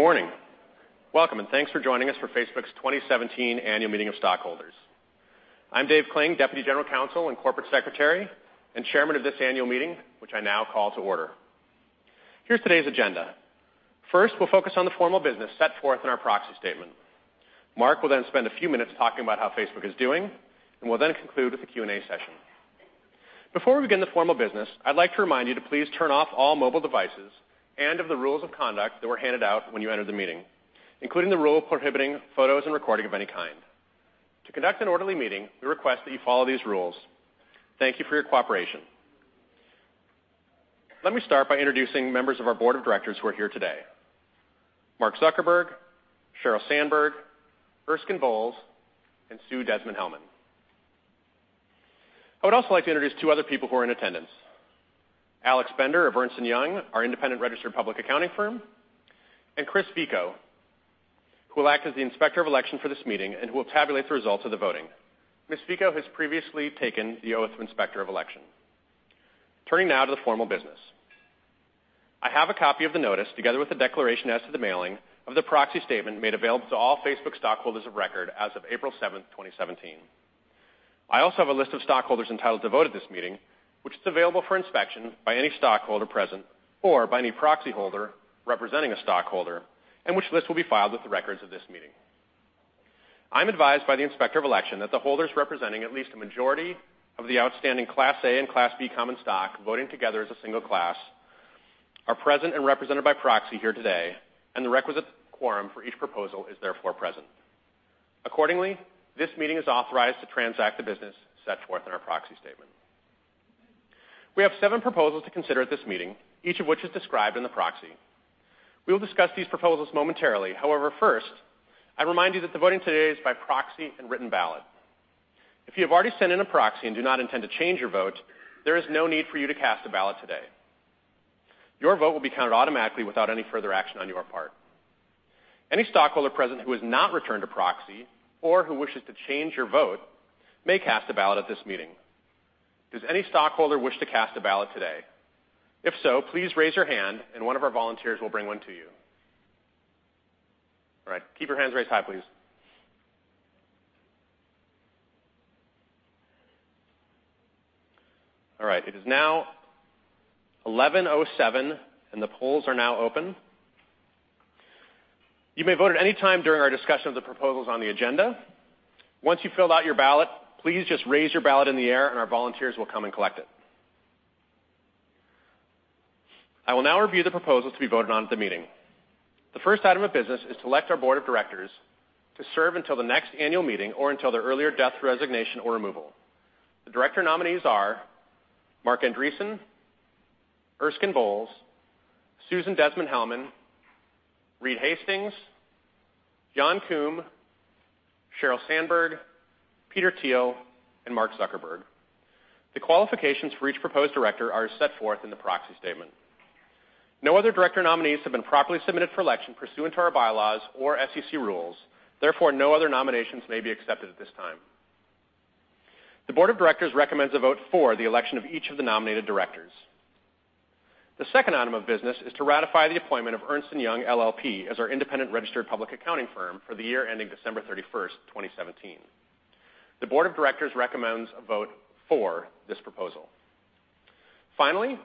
Good morning. Welcome, and thanks for joining us for Facebook's 2017 annual meeting of stockholders. I'm David Kling, Deputy General Counsel and Corporate Secretary, and Chairman of this annual meeting, which I now call to order. Here's today's agenda. We'll focus on the formal business set forth in our proxy statement. Mark will then spend a few minutes talking about how Facebook is doing, and we'll then conclude with a Q&A session. Before we begin the formal business, I'd like to remind you to please turn off all mobile devices and of the rules of conduct that were handed out when you entered the meeting, including the rule prohibiting photos and recording of any kind. To conduct an orderly meeting, we request that you follow these rules. Thank you for your cooperation. Let me start by introducing members of our Board of Directors who are here today. Mark Zuckerberg, Sheryl Sandberg, Erskine Bowles, and Susan Desmond-Hellmann. I would also like to introduce two other people who are in attendance, Alex Bender of Ernst & Young, our independent registered public accounting firm, and Chris Ficco, who will act as the Inspector of Election for this meeting and who will tabulate the results of the voting. Ms. Ficco has previously taken the oath of Inspector of Election. Turning now to the formal business. I have a copy of the notice, together with the declaration as to the mailing of the proxy statement made available to all Facebook stockholders of record as of April 7th, 2017. I also have a list of stockholders entitled to vote at this meeting, which is available for inspection by any stockholder present or by any proxy holder representing a stockholder, and which list will be filed with the records of this meeting. I'm advised by the Inspector of Election that the holders representing at least a majority of the outstanding Class A and Class B common stock voting together as a single class are present and represented by proxy here today, the requisite quorum for each proposal is therefore present. Accordingly, this meeting is authorized to transact the business set forth in our proxy statement. We have seven proposals to consider at this meeting, each of which is described in the proxy. We will discuss these proposals momentarily. First, I remind you that the voting today is by proxy and written ballot. If you have already sent in a proxy and do not intend to change your vote, there is no need for you to cast a ballot today. Your vote will be counted automatically without any further action on your part. Any stockholder present who has not returned a proxy or who wishes to change your vote may cast a ballot at this meeting. Does any stockholder wish to cast a ballot today? If so, please raise your hand and one of our volunteers will bring one to you. All right. Keep your hands raised high, please. All right. It is now 11:07 A.M., the polls are now open. You may vote at any time during our discussion of the proposals on the agenda. Once you've filled out your ballot, please just raise your ballot in the air and our volunteers will come and collect it. I will now review the proposals to be voted on at the meeting. The first item of business is to elect our Board of Directors to serve until the next annual meeting or until their earlier death, resignation, or removal. The director nominees are Marc Andreessen, Erskine Bowles, Susan Desmond-Hellmann, Reed Hastings, Jan Koum, Sheryl Sandberg, Peter Thiel, and Mark Zuckerberg. The qualifications for each proposed director are set forth in the proxy statement. No other director nominees have been properly submitted for election pursuant to our bylaws or SEC rules. Therefore, no other nominations may be accepted at this time. The board of directors recommends a vote for the election of each of the nominated directors. The second item of business is to ratify the appointment of Ernst & Young LLP as our independent registered public accounting firm for the year ending December 31st, 2017. The board of directors recommends a vote for this proposal. Finally,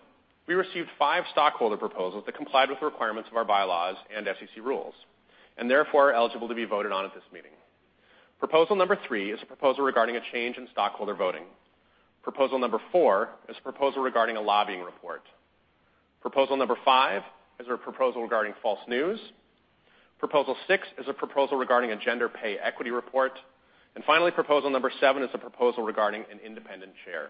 we received five stockholder proposals that complied with the requirements of our bylaws and SEC rules, and therefore are eligible to be voted on at this meeting. Proposal number 3 is a proposal regarding a change in stockholder voting. Proposal number 4 is a proposal regarding a lobbying report. Proposal number 5 is a proposal regarding false news. Proposal 6 is a proposal regarding a gender pay equity report. Finally, proposal number 7 is a proposal regarding an independent chair.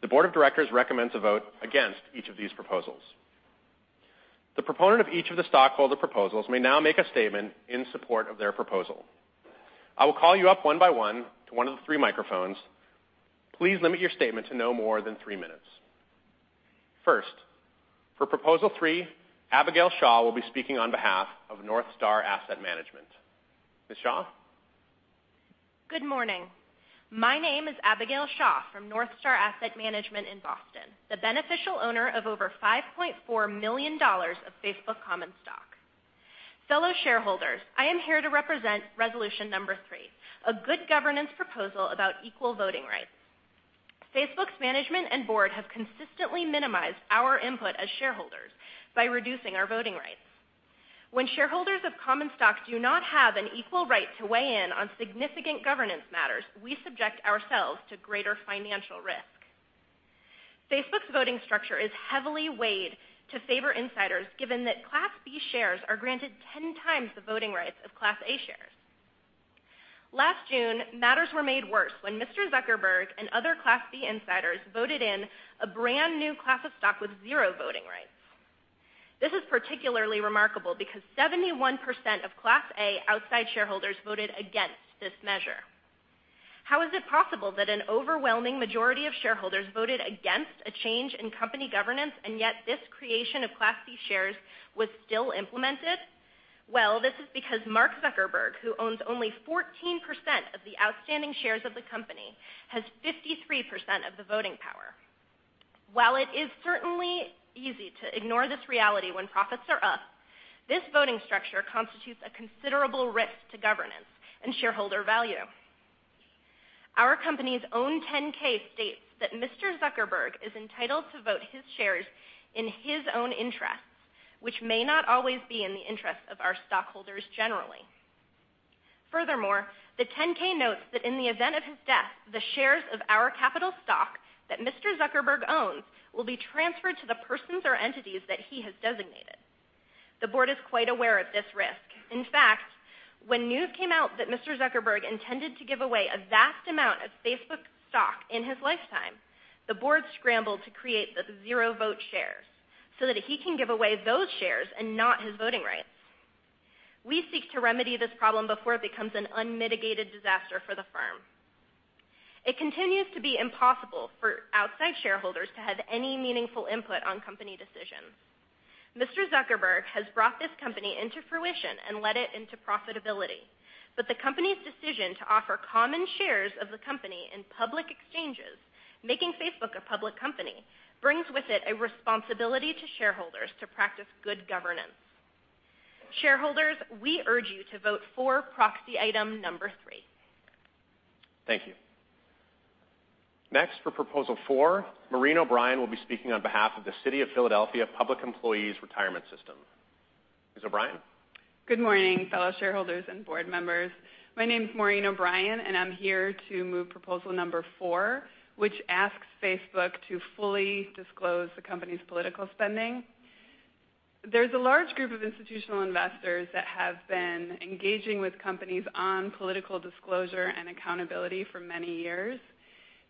The board of directors recommends a vote against each of these proposals. The proponent of each of the stockholder proposals may now make a statement in support of their proposal. I will call you up one by one to one of the three microphones. Please limit your statement to no more than three minutes. First, for proposal 3, Abigail Shaw will be speaking on behalf of North Star Asset Management. Ms. Shaw? Good morning. My name is Abigail Shaw from North Star Asset Management in Boston, the beneficial owner of over $5.4 million of Facebook common stock. Fellow shareholders, I am here to represent resolution number 3, a good governance proposal about equal voting rights. Facebook's management and board have consistently minimized our input as shareholders by reducing our voting rights. When shareholders of common stock do not have an equal right to weigh in on significant governance matters, we subject ourselves to greater financial risk. Facebook's voting structure is heavily weighed to favor insiders, given that Class B shares are granted 10 times the voting rights of Class A shares. Last June, matters were made worse when Mr. Zuckerberg and other Class B insiders voted in a brand-new class of stock with 0 voting rights. This is particularly remarkable because 71% of Class A outside shareholders voted against this measure. How is it possible that an overwhelming majority of shareholders voted against a change in company governance, and yet this creation of Class B shares was still implemented? Well, this is because Mark Zuckerberg, who owns only 14% of the outstanding shares of the company, has 53% of the voting power. While it is certainly easy to ignore this reality when profits are up, this voting structure constitutes a considerable risk to governance and shareholder value. Our company's own 10-K states that Mr. Zuckerberg is entitled to vote his shares in his own interests, which may not always be in the interests of our stockholders generally. Furthermore, the 10-K notes that in the event of his death, the shares of our capital stock that Mr. Zuckerberg owns will be transferred to the persons or entities that he has designated. The board is quite aware of this risk. In fact, when news came out that Mr. Zuckerberg intended to give away a vast amount of Facebook stock in his lifetime, the board scrambled to create the zero vote shares so that he can give away those shares and not his voting rights. We seek to remedy this problem before it becomes an unmitigated disaster for the firm. It continues to be impossible for outside shareholders to have any meaningful input on company decisions. Mr. Zuckerberg has brought this company into fruition and led it into profitability, but the company's decision to offer common shares of the company in public exchanges, making Facebook a public company, brings with it a responsibility to shareholders to practice good governance. Shareholders, we urge you to vote for proxy item number three. Thank you. Next, for proposal four, Maureen O'Brien will be speaking on behalf of the City of Philadelphia Public Employees Retirement System. Ms. O'Brien. Good morning, fellow shareholders and board members. My name's Maureen O'Brien, and I'm here to move proposal number four, which asks Facebook to fully disclose the company's political spending. There's a large group of institutional investors that have been engaging with companies on political disclosure and accountability for many years.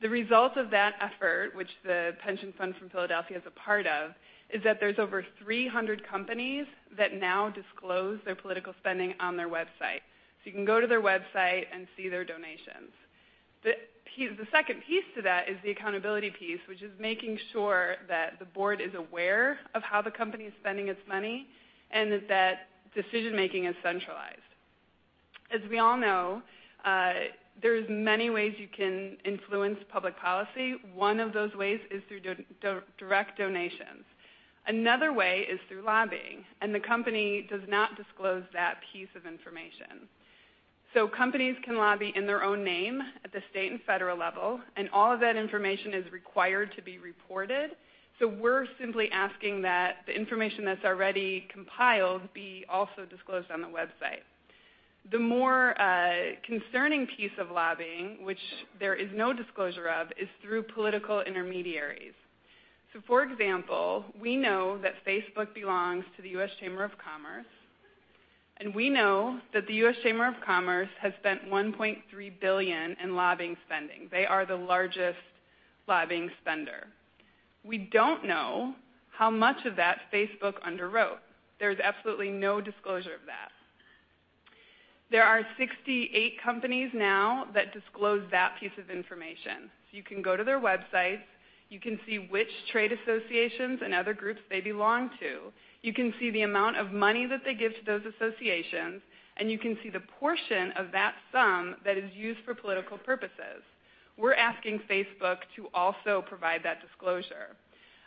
The result of that effort, which the pension fund from Philadelphia is a part of, is that there's over 300 companies that now disclose their political spending on their website. You can go to their website and see their donations. The second piece to that is the accountability piece, which is making sure that the board is aware of how the company is spending its money and that that decision making is centralized. As we all know, there's many ways you can influence public policy. One of those ways is through direct donations. Another way is through lobbying. The company does not disclose that piece of information. Companies can lobby in their own name at the state and federal level. All of that information is required to be reported. We're simply asking that the information that's already compiled be also disclosed on the website. The more concerning piece of lobbying, which there is no disclosure of, is through political intermediaries. For example, we know that Facebook belongs to the U.S. Chamber of Commerce, and we know that the U.S. Chamber of Commerce has spent $1.3 billion in lobbying spending. They are the largest lobbying spender. We don't know how much of that Facebook underwrote. There's absolutely no disclosure of that. There are 68 companies now that disclose that piece of information. You can go to their websites. You can see which trade associations and other groups they belong to. You can see the amount of money that they give to those associations, and you can see the portion of that sum that is used for political purposes. We're asking Facebook to also provide that disclosure.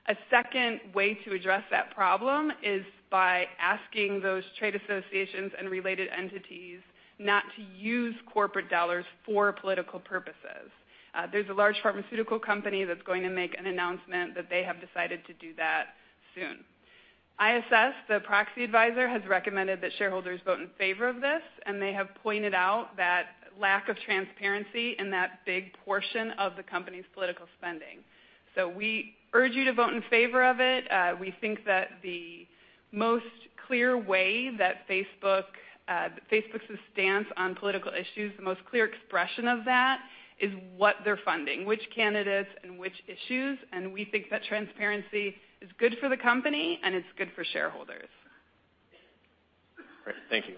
A second way to address that problem is by asking those trade associations and related entities not to use corporate dollars for political purposes. There's a large pharmaceutical company that's going to make an announcement that they have decided to do that soon. ISS, the proxy advisor, has recommended that shareholders vote in favor of this, and they have pointed out that lack of transparency in that big portion of the company's political spending. We urge you to vote in favor of it. We think that the most clear way that Facebook's stance on political issues, the most clear expression of that is what they're funding, which candidates and which issues, and we think that transparency is good for the company and it's good for shareholders. Great. Thank you.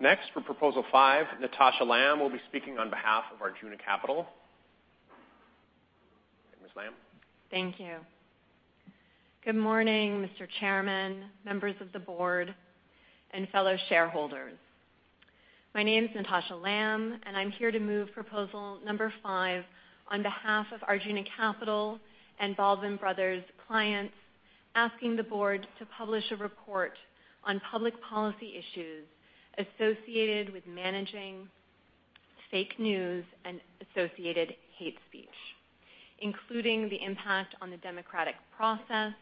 Next for proposal five, Natasha Lamb will be speaking on behalf of Arjuna Capital. Ms. Lamb. Thank you. Good morning, Mr. Chairman, members of the board, and fellow shareholders. My name's Natasha Lamb, and I'm here to move proposal number five on behalf of Arjuna Capital and Baldwin Brothers clients, asking the board to publish a report on public policy issues associated with managing fake news and associated hate speech, including the impact on the democratic process,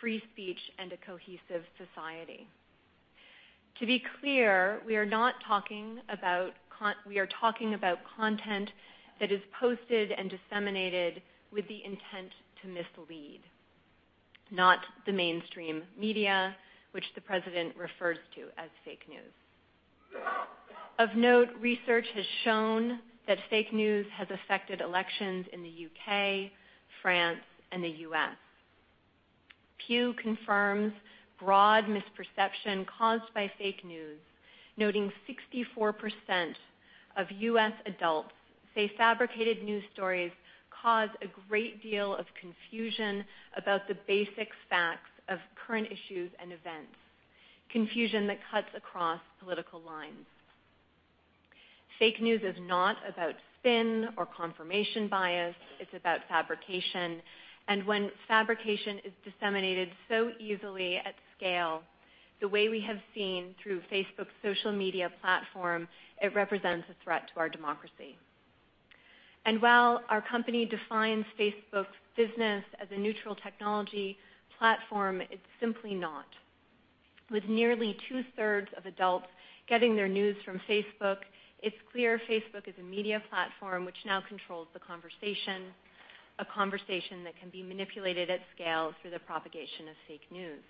free speech, and a cohesive society. To be clear, we are talking about content that is posted and disseminated with the intent to mislead, not the mainstream media, which the president refers to as fake news. Of note, research has shown that fake news has affected elections in the U.K., France, and the U.S. Pew confirms broad misperception caused by fake news, noting 64% of U.S. adults say fabricated news stories cause a great deal of confusion about the basic facts of current issues and events, confusion that cuts across political lines. Fake news is not about spin or confirmation bias. It's about fabrication. When fabrication is disseminated so easily at scale, the way we have seen through Facebook's social media platform, it represents a threat to our democracy. While our company defines Facebook's business as a neutral technology platform, it's simply not. With nearly two-thirds of adults getting their news from Facebook, it's clear Facebook is a media platform which now controls the conversation, a conversation that can be manipulated at scale through the propagation of fake news.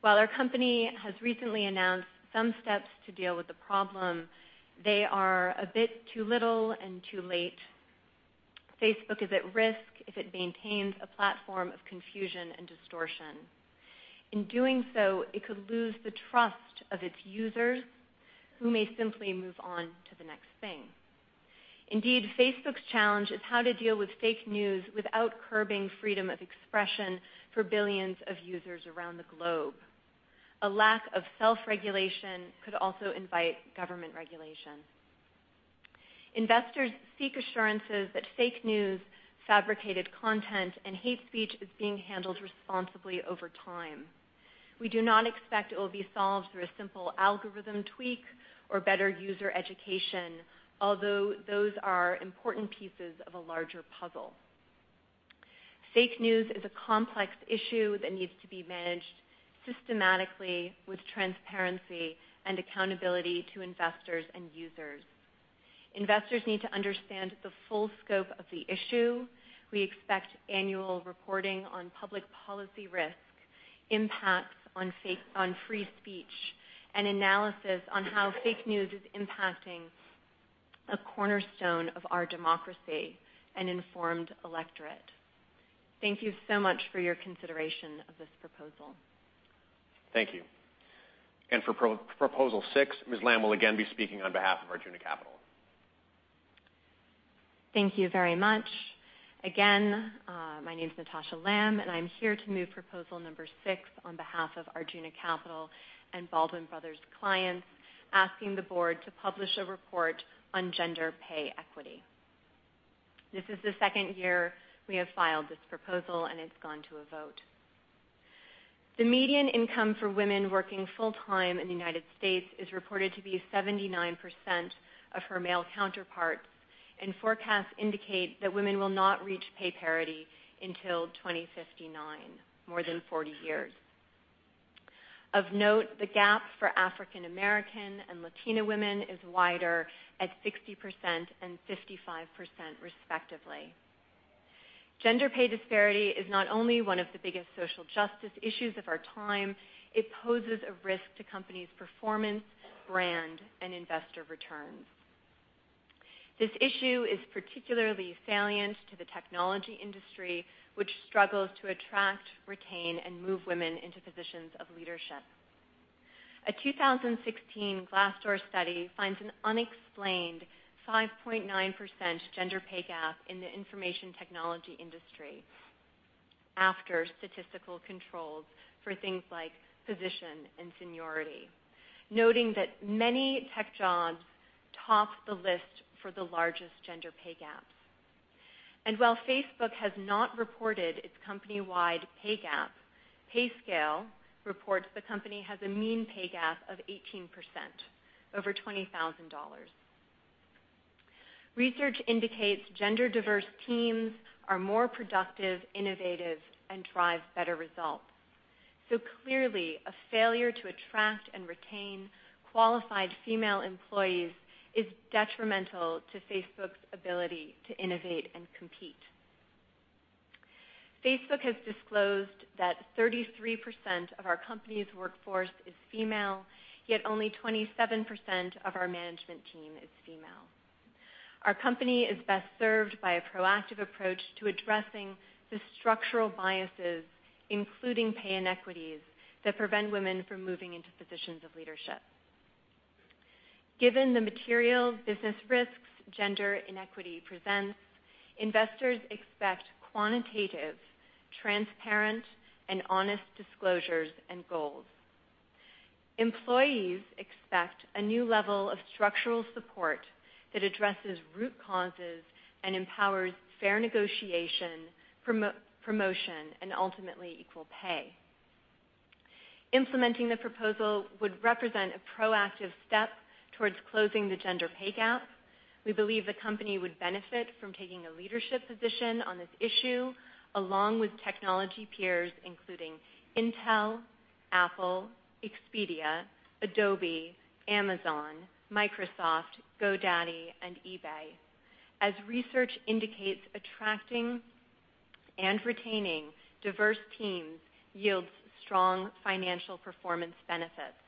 While our company has recently announced some steps to deal with the problem, they are a bit too little and too late. Facebook is at risk if it maintains a platform of confusion and distortion. In doing so, it could lose the trust of its users, who may simply move on to the next thing. Indeed, Facebook's challenge is how to deal with fake news without curbing freedom of expression for billions of users around the globe. A lack of self-regulation could also invite government regulation. Investors seek assurances that fake news, fabricated content, and hate speech is being handled responsibly over time. We do not expect it will be solved through a simple algorithm tweak or better user education, although those are important pieces of a larger puzzle. Fake news is a complex issue that needs to be managed systematically with transparency and accountability to investors and users. Investors need to understand the full scope of the issue. We expect annual reporting on public policy risks, impacts on free speech, and analysis on how fake news is impacting a cornerstone of our democracy, an informed electorate. Thank you so much for your consideration of this proposal. Thank you. For proposal six, Ms. Lamb will again be speaking on behalf of Arjuna Capital. Thank you very much. Again, my name's Natasha Lamb, I am here to move proposal number 6 on behalf of Arjuna Capital and Baldwin Brothers clients, asking the board to publish a report on gender pay equity. This is the second year we have filed this proposal, it has gone to a vote. The median income for women working full-time in the United States is reported to be 79% of her male counterparts, forecasts indicate that women will not reach pay parity until 2059, more than 40 years. Of note, the gap for African American and Latina women is wider, at 60% and 55%, respectively. Gender pay disparity is not only one of the biggest social justice issues of our time, it poses a risk to companies' performance, brand, and investor returns. This issue is particularly salient to the technology industry, which struggles to attract, retain, and move women into positions of leadership. A 2016 Glassdoor study finds an unexplained 5.9% gender pay gap in the information technology industry after statistical controls for things like position and seniority, noting that many tech jobs top the list for the largest gender pay gaps. While Facebook has not reported its company-wide pay gap, Payscale reports the company has a mean pay gap of 18%, over $20,000. Research indicates gender diverse teams are more productive, innovative, and drive better results. Clearly, a failure to attract and retain qualified female employees is detrimental to Facebook's ability to innovate and compete. Facebook has disclosed that 33% of our company's workforce is female, yet only 27% of our management team is female. Our company is best served by a proactive approach to addressing the structural biases, including pay inequities, that prevent women from moving into positions of leadership. Given the material business risks gender inequity presents, investors expect quantitative, transparent, and honest disclosures and goals. Employees expect a new level of structural support that addresses root causes and empowers fair negotiation, promotion, and ultimately equal pay. Implementing the proposal would represent a proactive step towards closing the gender pay gap. We believe the company would benefit from taking a leadership position on this issue, along with technology peers including Intel, Apple, Expedia, Adobe, Amazon, Microsoft, GoDaddy, and eBay, as research indicates attracting and retaining diverse teams yields strong financial performance benefits.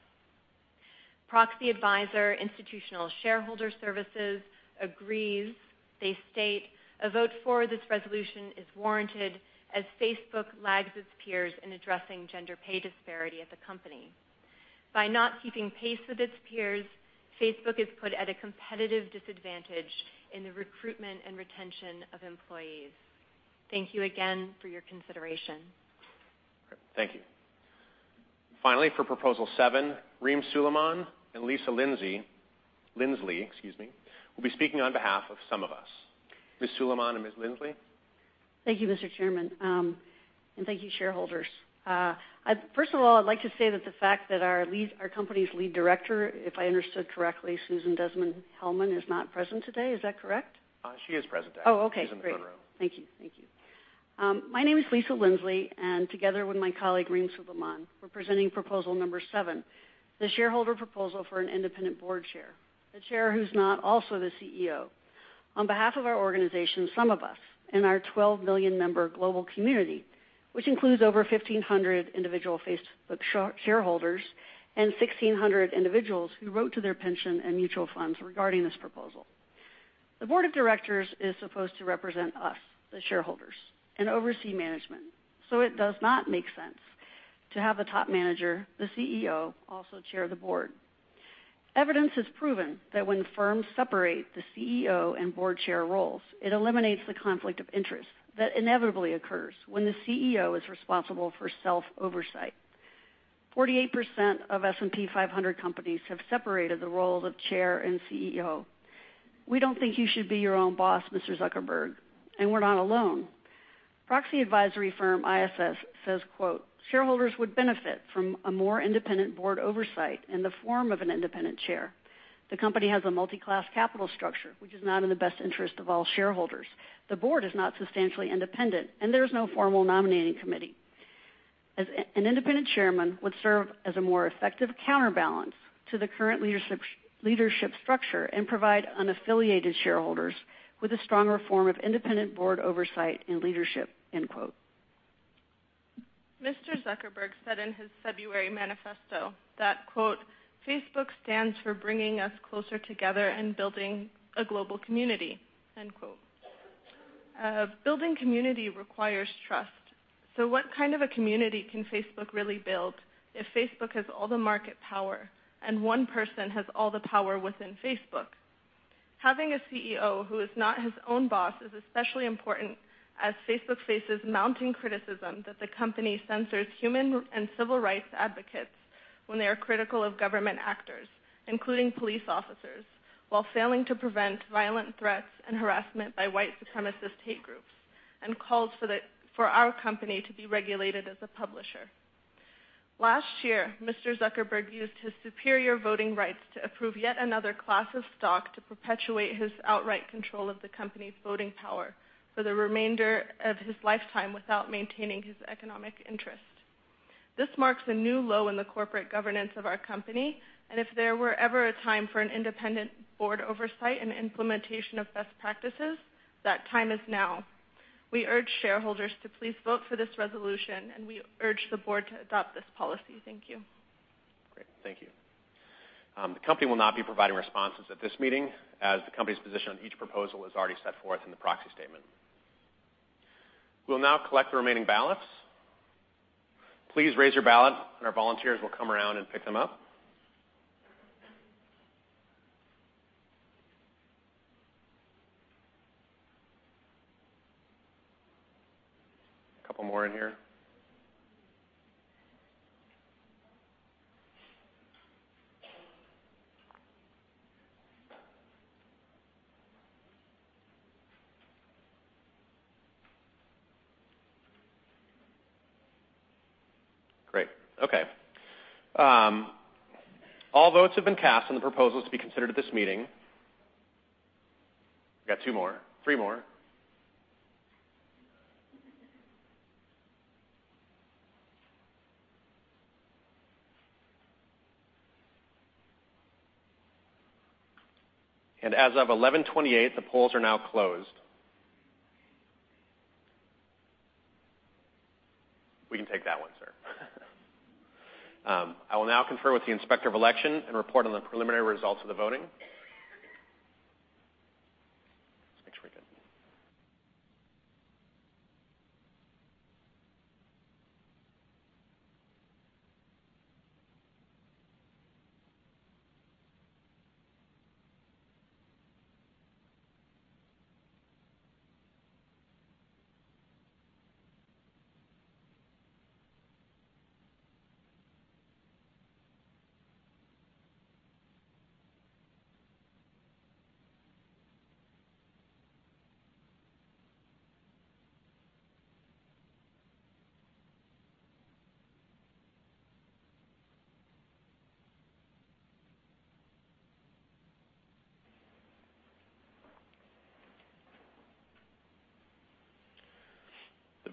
Proxy adviser Institutional Shareholder Services agrees. They state, "A vote for this resolution is warranted as Facebook lags its peers in addressing gender pay disparity at the company. By not keeping pace with its peers, Facebook is put at a competitive disadvantage in the recruitment and retention of employees." Thank you again for your consideration. Thank you. For Proposal 7, Reem Suleiman and Lisa Lindsley will be speaking on behalf of SumOfUs. Ms. Suleiman and Ms. Lindsley. Thank you, Mr. Chairman, thank you, shareholders. First of all, I'd like to say that the fact that our company's Lead Director, if I understood correctly, Susan Desmond-Hellmann, is not present today. Is that correct? She is present today. Oh, okay. Great. She's in the front row. Thank you. My name is Lisa Lindsley. Together with my colleague, Reem Suleiman, we're presenting Proposal Number 7, the shareholder proposal for an independent board chair, a chair who's not also the CEO. On behalf of our organization, SumOfUs, and our 12 million-member global community, which includes over 1,500 individual Facebook shareholders and 1,600 individuals who wrote to their pension and mutual funds regarding this proposal. The board of directors is supposed to represent us, the shareholders, and oversee management. It does not make sense to have the top manager, the CEO, also chair the board. Evidence has proven that when firms separate the CEO and board chair roles, it eliminates the conflict of interest that inevitably occurs when the CEO is responsible for self-oversight. 48% of S&P 500 companies have separated the role of chair and CEO. We don't think you should be your own boss, Mr. Zuckerberg. We're not alone. Proxy advisory firm ISS says, quote, "Shareholders would benefit from a more independent board oversight in the form of an independent chair. The company has a multi-class capital structure, which is not in the best interest of all shareholders. The board is not substantially independent. There is no formal nominating committee. An independent chairman would serve as a more effective counterbalance to the current leadership structure and provide unaffiliated shareholders with a stronger form of independent board oversight and leadership." End quote. Mr. Zuckerberg said in his February manifesto that, quote, "Facebook stands for bringing us closer together and building a global community." End quote. Building community requires trust. What kind of a community can Facebook really build if Facebook has all the market power and one person has all the power within Facebook? Having a CEO who is not his own boss is especially important as Facebook faces mounting criticism that the company censors human and civil rights advocates when they are critical of government actors, including police officers, while failing to prevent violent threats and harassment by white supremacist hate groups. Calls for our company to be regulated as a publisher. Last year, Mr. Zuckerberg used his superior voting rights to approve yet another class of stock to perpetuate his outright control of the company's voting power for the remainder of his lifetime without maintaining his economic interest. This marks a new low in the corporate governance of our company. If there were ever a time for an independent board oversight and implementation of best practices, that time is now. We urge shareholders to please vote for this resolution. We urge the board to adopt this policy. Thank you. Great. Thank you. The company will not be providing responses at this meeting, as the company's position on each proposal is already set forth in the proxy statement. We will now collect the remaining ballots. Please raise your ballot, and our volunteers will come around and pick them up. A couple more in here. Great. Okay. All votes have been cast on the proposals to be considered at this meeting. Got two more, three more. As of 11:28 A.M., the polls are now closed. We can take that one, sir. I will now confer with the Inspector of Election and report on the preliminary results of the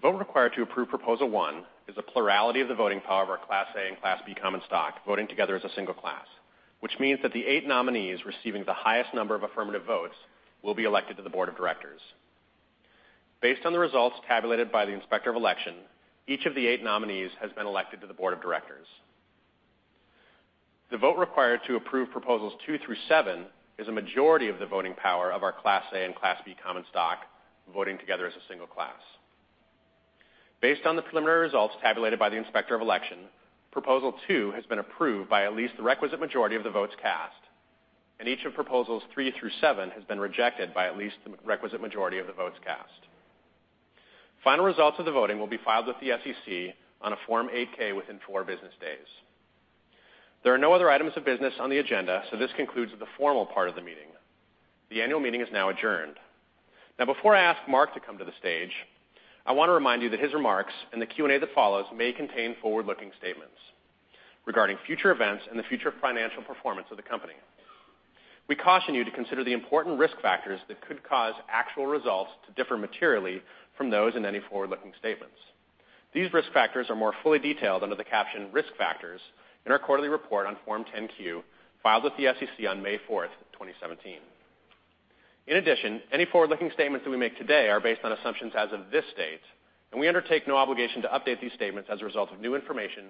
voting. The vote required to approve Proposal 1 is a plurality of the voting power of our Class A and Class B common stock, voting together as a single class, which means that the eight nominees receiving the highest number of affirmative votes will be elected to the board of directors. Based on the results tabulated by the Inspector of Election, each of the eight nominees has been elected to the board of directors. The vote required to approve Proposals 2 through 7 is a majority of the voting power of our Class A and Class B common stock, voting together as a single class. Based on the preliminary results tabulated by the Inspector of Election, Proposal 2 has been approved by at least the requisite majority of the votes cast. Each of Proposals 3 through 7 has been rejected by at least the requisite majority of the votes cast. Final results of the voting will be filed with the SEC on a Form 8-K within four business days. There are no other items of business on the agenda. This concludes the formal part of the meeting. The annual meeting is now adjourned. Before I ask Mark to come to the stage, I want to remind you that his remarks and the Q&A that follows may contain forward-looking statements regarding future events and the future financial performance of the company. We caution you to consider the important risk factors that could cause actual results to differ materially from those in any forward-looking statements. These risk factors are more fully detailed under the caption "Risk Factors" in our quarterly report on Form 10-Q, filed with the SEC on May 4th, 2017. In addition, any forward-looking statements that we make today are based on assumptions as of this date. We undertake no obligation to update these statements as a result of new information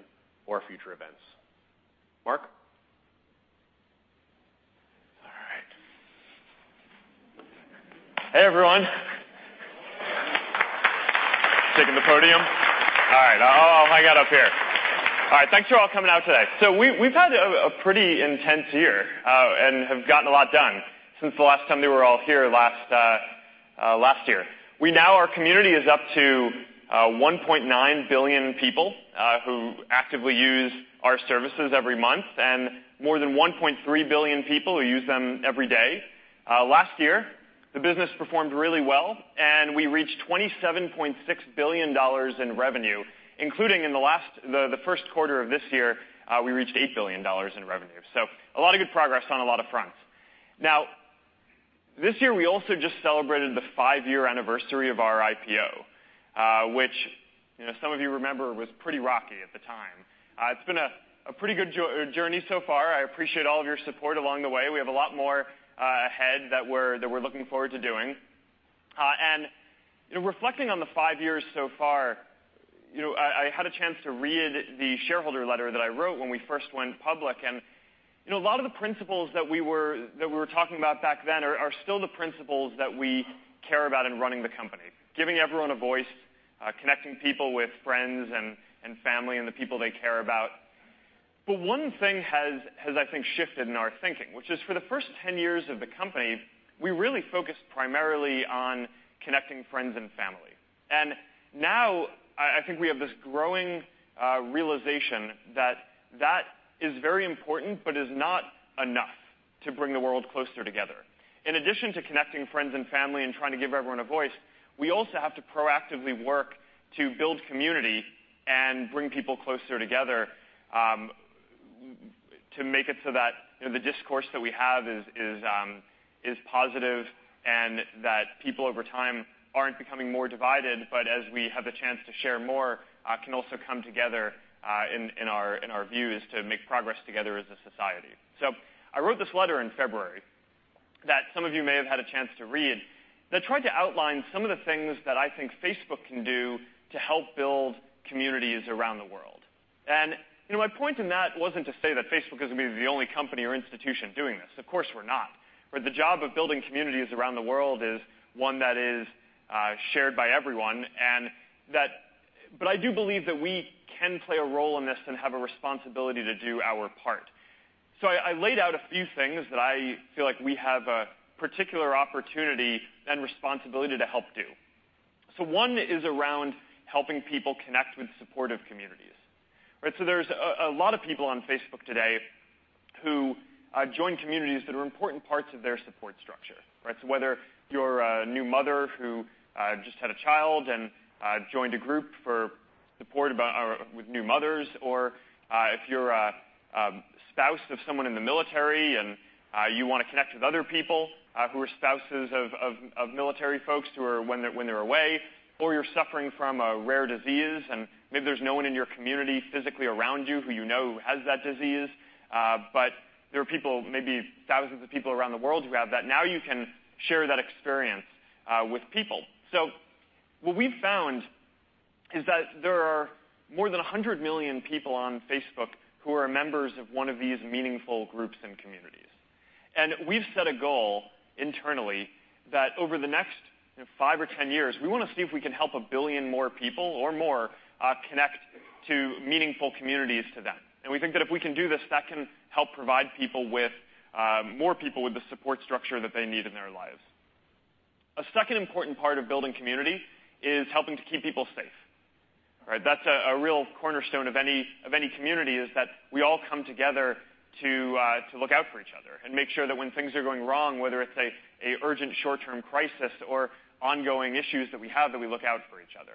or future events. Mark? All right. Hey, everyone. Taking the podium. All right. I'll hang out up here. All right, thanks, you all, coming out today. We've had a pretty intense year, and have gotten a lot done since the last time that we were all here last year. Our community is up to 1.9 billion people who actively use our services every month, and more than 1.3 billion people who use them every day. Last year, the business performed really well, and we reached $27.6 billion in revenue, including in the first quarter of this year, we reached $8 billion in revenue. A lot of good progress on a lot of fronts. This year, we also just celebrated the five-year anniversary of our IPO, which some of you remember was pretty rocky at the time. It's been a pretty good journey so far. I appreciate all of your support along the way. We have a lot more ahead that we're looking forward to doing. Reflecting on the five years so far, I had a chance to read the shareholder letter that I wrote when we first went public, and a lot of the principles that we were talking about back then are still the principles that we care about in running the company. Giving everyone a voice, connecting people with friends and family and the people they care about. One thing has, I think, shifted in our thinking, which is for the first 10 years of the company, we really focused primarily on connecting friends and family. Now, I think we have this growing realization that that is very important, but is not enough to bring the world closer together. In addition to connecting friends and family and trying to give everyone a voice, we also have to proactively work to build community and bring people closer together, to make it so that the discourse that we have is positive and that people over time aren't becoming more divided, but as we have the chance to share more, can also come together in our views to make progress together as a society. I wrote this letter in February, that some of you may have had a chance to read, that tried to outline some of the things that I think Facebook can do to help build communities around the world. My point in that wasn't to say that Facebook is the only company or institution doing this. Of course, we're not. The job of building communities around the world is one that is shared by everyone. I do believe that we can play a role in this and have a responsibility to do our part. I laid out a few things that I feel like we have a particular opportunity and responsibility to help do. One is around helping people connect with supportive communities. There's a lot of people on Facebook today who join communities that are important parts of their support structure, right? Whether you're a new mother who just had a child and joined a group for support with new mothers, or if you're a spouse of someone in the military and you want to connect with other people who are spouses of military folks when they're away, or you're suffering from a rare disease, and maybe there's no one in your community physically around you who you know has that disease, but there are people, maybe thousands of people around the world who have that, now you can share that experience with people. What we've found is that there are more than 100 million people on Facebook who are members of one of these meaningful groups and communities. We've set a goal internally that over the next 5 or 10 years, we want to see if we can help 1 billion more people or more connect to meaningful communities to them. We think that if we can do this, that can help provide more people with the support structure that they need in their lives. A second important part of building community is helping to keep people safe. All right? That's a real cornerstone of any community, is that we all come together to look out for each other and make sure that when things are going wrong, whether it's a urgent short-term crisis or ongoing issues that we have, that we look out for each other.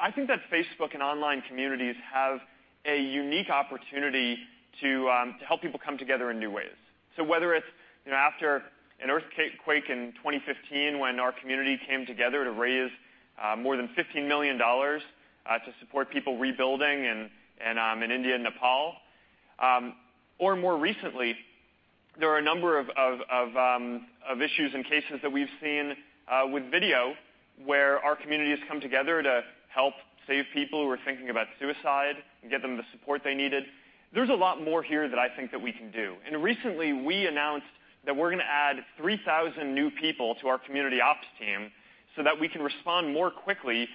I think that Facebook and online communities have a unique opportunity to help people come together in new ways. Whether it's after an earthquake in 2015, when our community came together to raise more than $15 million to support people rebuilding in India and Nepal. More recently, there are a number of issues and cases that we've seen with video where our communities come together to help save people who are thinking about suicide and get them the support they needed. There's a lot more here that I think that we can do. Recently, we announced that we're going to add 3,000 new people to our community ops team so that we can respond more quickly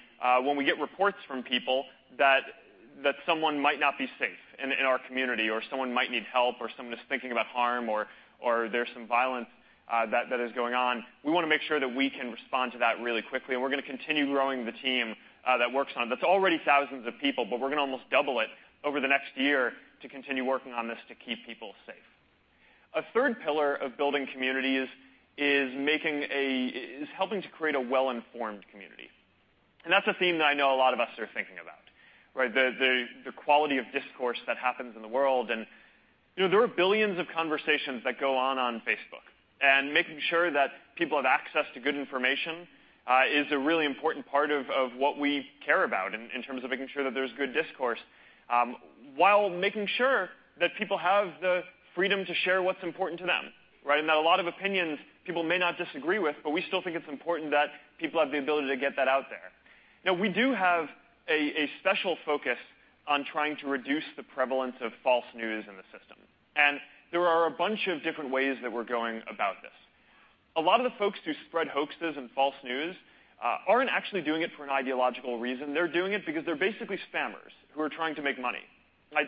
when we get reports from people that someone might not be safe in our community, or someone might need help, or someone is thinking about harm, or there's some violence that is going on. We want to make sure that we can respond to that really quickly, we're going to continue growing the team that works on it. That's already thousands of people, but we're going to almost double it over the next year to continue working on this to keep people safe. A third pillar of building community is helping to create a well-informed community, that's a theme that I know a lot of us are thinking about, right? The quality of discourse that happens in the world. There are billions of conversations that go on on Facebook. Making sure that people have access to good information is a really important part of what we care about in terms of making sure that there's good discourse, while making sure that people have the freedom to share what's important to them, right? That a lot of opinions people may not disagree with, but we still think it's important that people have the ability to get that out there. Now, we do have a special focus on trying to reduce the prevalence of false news in the system, there are a bunch of different ways that we're going about this. A lot of the folks who spread hoaxes and false news aren't actually doing it for an ideological reason. They're doing it because they're basically spammers who are trying to make money, right?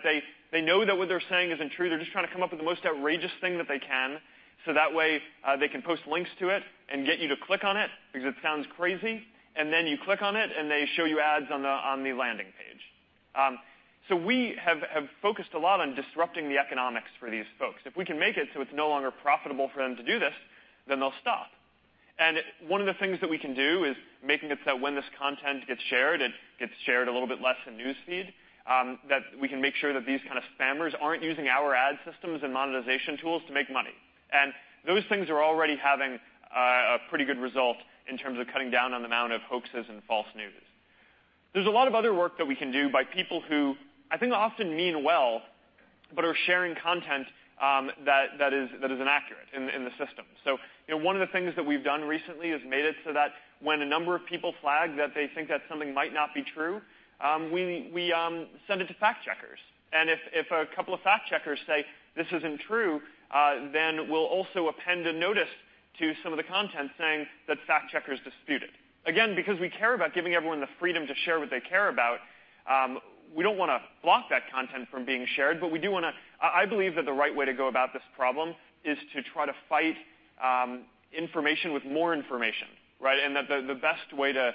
They know that what they're saying isn't true. They're just trying to come up with the most outrageous thing that they can, so that way they can post links to it and get you to click on it because it sounds crazy. Then you click on it, and they show you ads on the landing page. We have focused a lot on disrupting the economics for these folks. If we can make it so it's no longer profitable for them to do this, then they'll stop. One of the things that we can do is making it so when this content gets shared, it gets shared a little bit less in News Feed, that we can make sure that these kind of spammers aren't using our ad systems and monetization tools to make money. Those things are already having a pretty good result in terms of cutting down on the amount of hoaxes and false news. There's a lot of other work that we can do by people who, I think, often mean well, but are sharing content that is inaccurate in the system. One of the things that we've done recently is made it so that when a number of people flag that they think that something might not be true, we send it to fact-checkers. If a couple of fact-checkers say this isn't true, then we'll also append a notice to some of the content saying that fact-checkers dispute it. Again, because we care about giving everyone the freedom to share what they care about, we don't want to block that content from being shared. I believe that the right way to go about this problem is to try to fight information with more information, right? That the best way to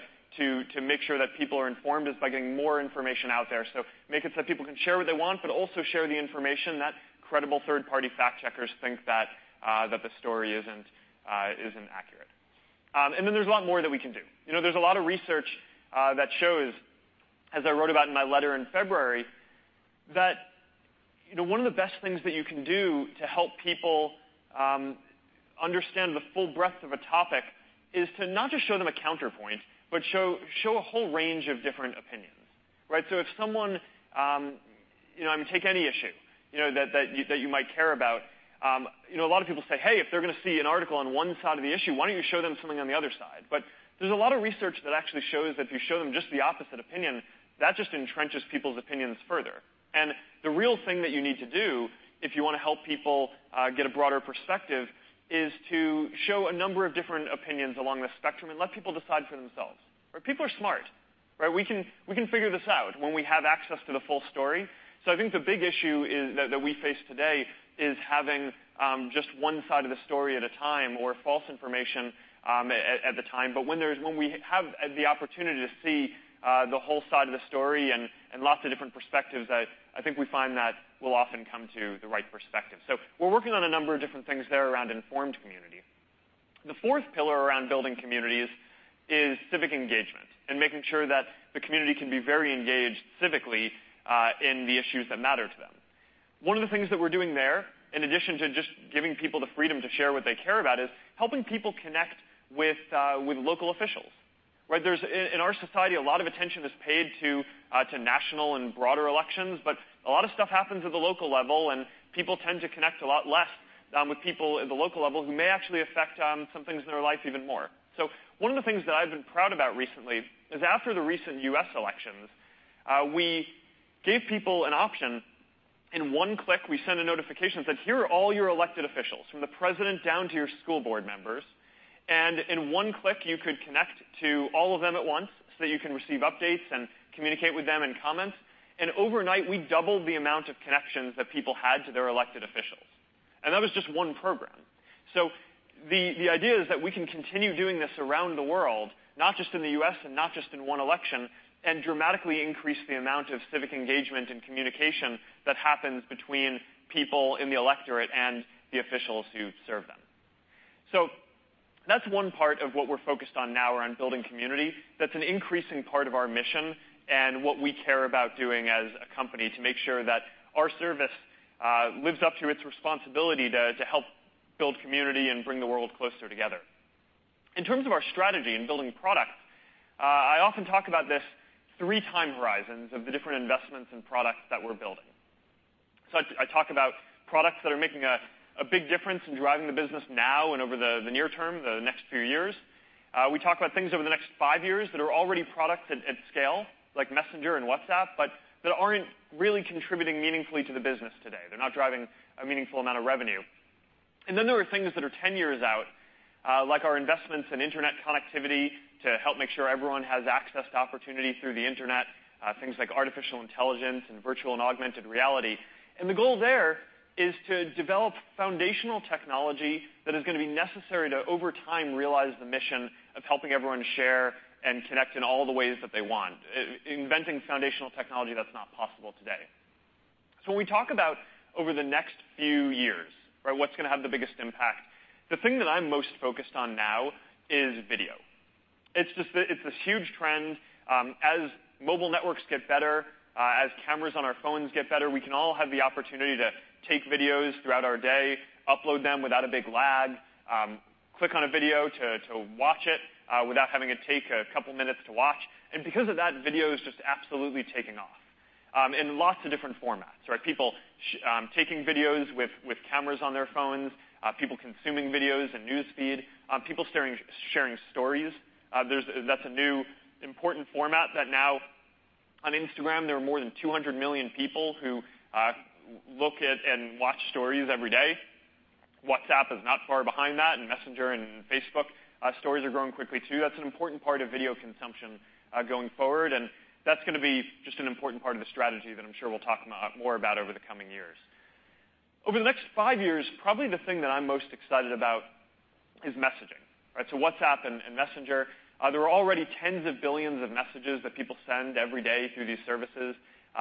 make sure that people are informed is by getting more information out there. Make it so that people can share what they want, but also share the information that credible third-party fact-checkers think that the story isn't accurate. There's a lot more that we can do. There's a lot of research that shows, as I wrote about in my letter in February, that one of the best things that you can do to help people understand the full breadth of a topic is to not just show them a counterpoint, but show a whole range of different opinions, right? Take any issue that you might care about. A lot of people say, "Hey, if they're going to see an article on one side of the issue, why don't you show them something on the other side?" There's a lot of research that actually shows that if you show them just the opposite opinion, that just entrenches people's opinions further. The real thing that you need to do if you want to help people get a broader perspective is to show a number of different opinions along the spectrum and let people decide for themselves. People are smart, right? We can figure this out when we have access to the full story. I think the big issue that we face today is having just one side of the story at a time or false information at the time. When we have the opportunity to see the whole side of the story and lots of different perspectives, I think we find that we'll often come to the right perspective. We're working on a number of different things there around informed community. The fourth pillar around building community is civic engagement and making sure that the community can be very engaged civically in the issues that matter to them. One of the things that we're doing there, in addition to just giving people the freedom to share what they care about, is helping people connect with local officials, right? In our society, a lot of attention is paid to national and broader elections, but a lot of stuff happens at the local level, and people tend to connect a lot less with people at the local level who may actually affect some things in their life even more. One of the things that I've been proud about recently is after the recent U.S. elections, we gave people an option. In one click, we send a notification that says, "Here are all your elected officials, from the president down to your school board members." In one click, you could connect to all of them at once so that you can receive updates and communicate with them and comment. Overnight, we doubled the amount of connections that people had to their elected officials. That was just one program. The idea is that we can continue doing this around the world, not just in the U.S. and not just in one election, and dramatically increase the amount of civic engagement and communication that happens between people in the electorate and the officials who serve them. That's one part of what we're focused on now around building community. That's an increasing part of our mission and what we care about doing as a company to make sure that our service lives up to its responsibility to help build community and bring the world closer together. In terms of our strategy in building products, I often talk about this three-time horizons of the different investments and products that we're building. I talk about products that are making a big difference in driving the business now and over the near term, the next few years. We talk about things over the next five years that are already products at scale, like Messenger and WhatsApp, but that aren't really contributing meaningfully to the business today. They're not driving a meaningful amount of revenue. There are things that are 10 years out, like our investments in internet connectivity to help make sure everyone has access to opportunity through the internet. Things like artificial intelligence and virtual and augmented reality. The goal there is to develop foundational technology that is going to be necessary to, over time, realize the mission of helping everyone share and connect in all the ways that they want, inventing foundational technology that's not possible today. When we talk about over the next few years, what's going to have the biggest impact? The thing that I'm most focused on now is video. It's this huge trend. As mobile networks get better, as cameras on our phones get better, we can all have the opportunity to take videos throughout our day, upload them without a big lag, click on a video to watch it without having it take a couple of minutes to watch. Because of that, video is just absolutely taking off in lots of different formats. People taking videos with cameras on their phones, people consuming videos in News Feed, people sharing Stories. That's a new important format that now on Instagram, there are more than 200 million people who look at and watch Stories every day. WhatsApp is not far behind that, and Messenger and Facebook Stories are growing quickly too. That's an important part of video consumption going forward, and that's going to be just an important part of the strategy that I'm sure we'll talk more about over the coming years. Over the next five years, probably the thing that I'm most excited about is messaging. WhatsApp and Messenger. There are already tens of billions of messages that people send every day through these services.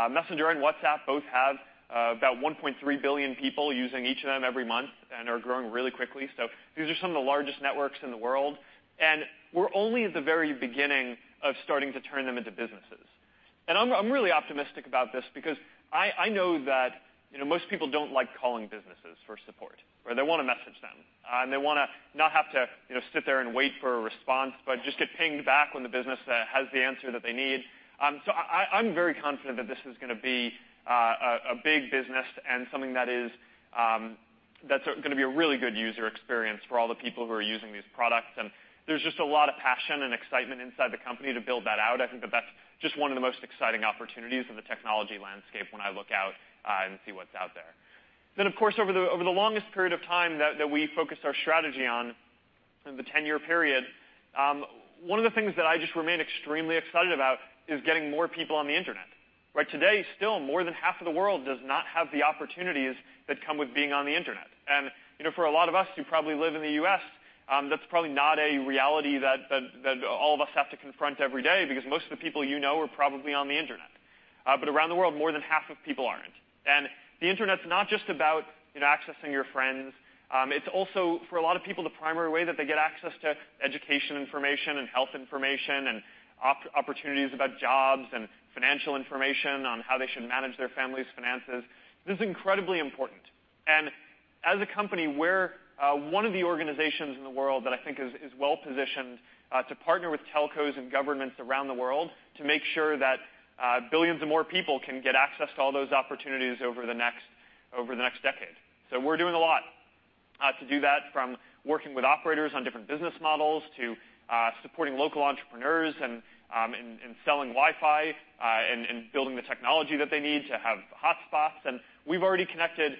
Messenger and WhatsApp both have about 1.3 billion people using each of them every month and are growing really quickly. These are some of the largest networks in the world, and we're only at the very beginning of starting to turn them into businesses. I'm really optimistic about this because I know that most people don't like calling businesses for support. They want to message them, and they want to not have to sit there and wait for a response, but just get pinged back when the business has the answer that they need. I'm very confident that this is going to be a big business and something that's going to be a really good user experience for all the people who are using these products. There's just a lot of passion and excitement inside the company to build that out. I think that's just one of the most exciting opportunities in the technology landscape when I look out and see what's out there. Of course, over the longest period of time that we focused our strategy on, the 10-year period, one of the things that I just remain extremely excited about is getting more people on the internet. Today, still, more than half of the world does not have the opportunities that come with being on the internet. For a lot of us who probably live in the U.S., that's probably not a reality that all of us have to confront every day because most of the people you know are probably on the internet. Around the world, more than half of people aren't. The internet's not just about accessing your friends. It's also, for a lot of people, the primary way that they get access to education information and health information and opportunities about jobs and financial information on how they should manage their family's finances. This is incredibly important. As a company, we're one of the organizations in the world that I think is well-positioned to partner with telcos and governments around the world to make sure that billions of more people can get access to all those opportunities over the next decade. We're doing a lot to do that, from working with operators on different business models to supporting local entrepreneurs and selling Wi-Fi and building the technology that they need to have hotspots. We've already connected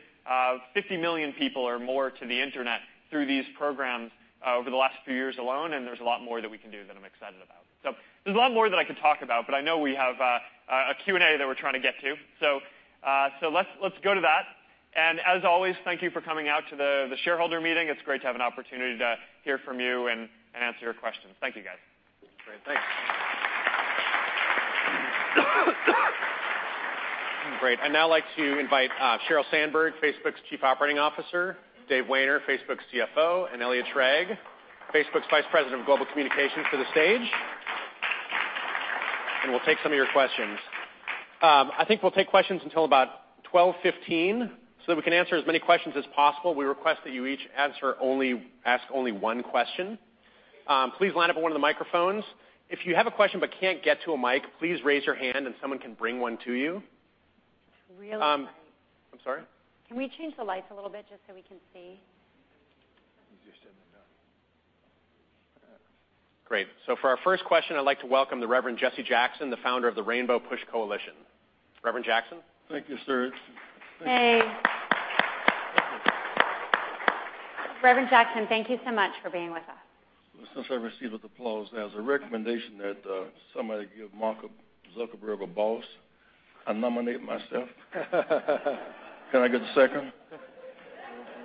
50 million people or more to the internet through these programs over the last few years alone, and there's a lot more that we can do that I'm excited about. There's a lot more that I could talk about, but I know we have a Q&A that we're trying to get to. Let's go to that. As always, thank you for coming out to the shareholder meeting. It's great to have an opportunity to hear from you and answer your questions. Thank you, guys. Great. Thanks. Great. I'd now like to invite Sheryl Sandberg, Facebook's Chief Operating Officer, Dave Wehner, Facebook's CFO, and Elliot Schrage, Facebook's Vice President of Global Communications, to the stage. We'll take some of your questions. I think we'll take questions until about 12:15 so that we can answer as many questions as possible. We request that you each ask only one question. Please line up at one of the microphones. If you have a question but can't get to a mic, please raise your hand and someone can bring one to you. It's really bright. I'm sorry? Can we change the lights a little bit just so we can see? Great. For our first question, I'd like to welcome the Reverend Jesse Jackson, the founder of the Rainbow PUSH Coalition. Reverend Jackson? Thank you, sir. Hey. Reverend Jackson, thank you so much for being with us. Since I was received with applause, as a recommendation that somebody give Mark Zuckerberg a boss, I nominate myself. Can I get a second?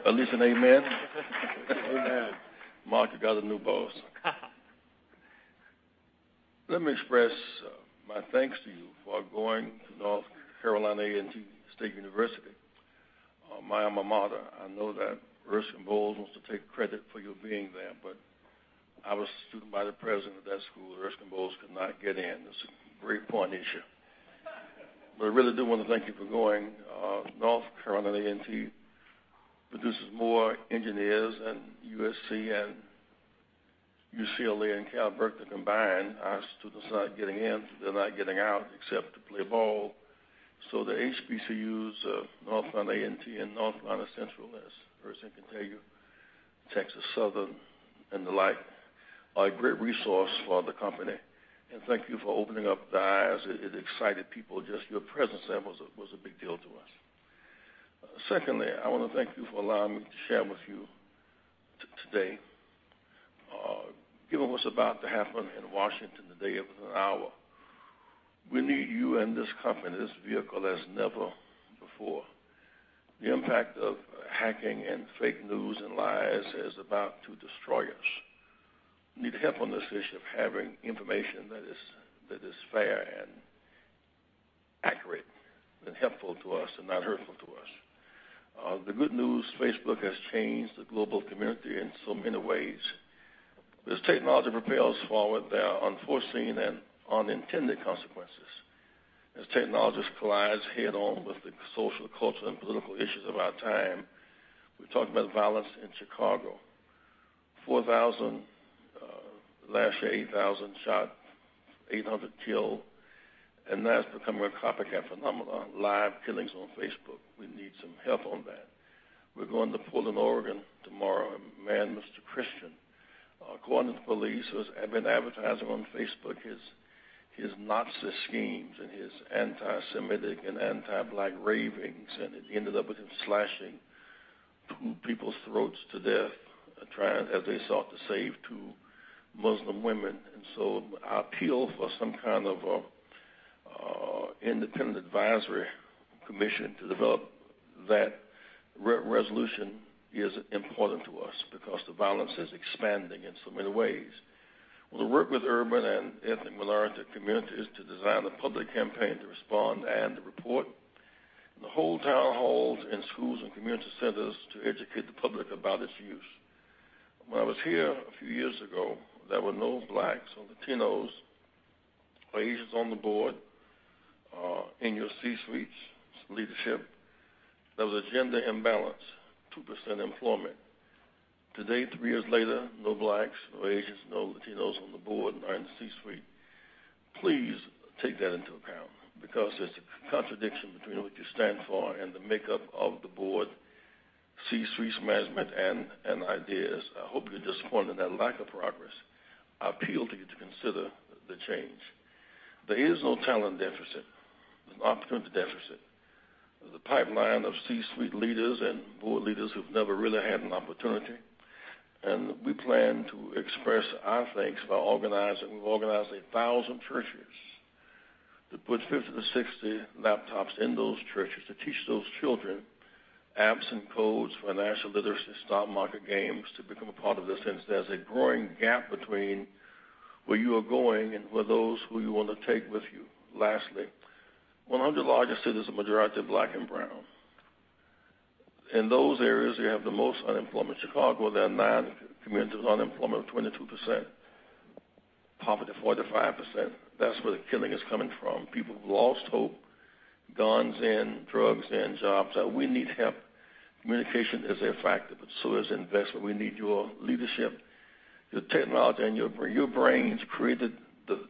At least an amen? Amen. Mark, you got a new boss. Let me express my thanks to you for going to North Carolina A&T State University, my alma mater. I know that Erskine Bowles wants to take credit for your being there, but I was student body president at that school, and Erskine Bowles could not get in. That's a great point issue. I really do want to thank you for going. North Carolina A&T produces more engineers than USC and UCLA and Cal Berkeley combined. Our students are not getting in, they're not getting out except to play ball. The HBCUs, North Carolina A&T and North Carolina Central, as Erskine can tell you, Texas Southern and the like, are a great resource for the company. Thank you for opening up the eyes. It excited people. Just your presence there was a big deal to us. Secondly, I want to thank you for allowing me to share with you today, given what's about to happen in Washington today within an hour. We need you and this company, this vehicle, as never before. The impact of hacking and fake news and lies is about to destroy us. We need help on this issue of having information that is fair and accurate and helpful to us and not hurtful to us. The good news, Facebook has changed the global community in so many ways. As technology propels forward, there are unforeseen and unintended consequences. As technology collides head-on with the social, cultural, and political issues of our time. We talked about violence in Chicago. Last year, 8,000 shot, 800 killed. Now it's becoming a copycat phenomenon, live killings on Facebook. We need some help on that. We're going to Portland, Oregon tomorrow. A man, Mr. Christian, according to police, has been advertising on Facebook his Nazi schemes and his anti-Semitic and anti-Black ravings, and it ended up with him slashing two people's throats to death as they sought to save two Muslim women. I appeal for some kind of independent advisory commission to develop that. Resolution is important to us because the violence is expanding in so many ways. We'll work with urban and ethnic minority communities to design a public campaign to respond and to report, and to hold town halls in schools and community centers to educate the public about its use. When I was here a few years ago, there were no Blacks or Latinos or Asians on the board, in your C-suites, leadership. There was a gender imbalance, 2% employment. Today, three years later, no Blacks, no Asians, no Latinos on the board or in the C-suite. Please take that into account because there's a contradiction between what you stand for and the makeup of the board, C-suites management, and ideas. I hope you're disappointed in that lack of progress. I appeal to you to consider the change. There is no talent deficit. There's an opportunity deficit. The pipeline of C-suite leaders and board leaders who've never really had an opportunity. We plan to express our thanks by organizing. We've organized 1,000 churches to put 50 to 60 laptops in those churches to teach those children apps and codes, financial literacy, stock market games, to become a part of this since there's a growing gap between where you are going and where those who you want to take with you. Lastly, 100 largest cities are majority Black and Brown. In those areas, you have the most unemployment. Chicago, there are nine communities with unemployment of 22%, poverty 45%. That's where the killing is coming from. People who've lost hope, guns and drugs and jobs. We need help. Communication is a factor, but so is investment. We need your leadership, your technology, and your brains created the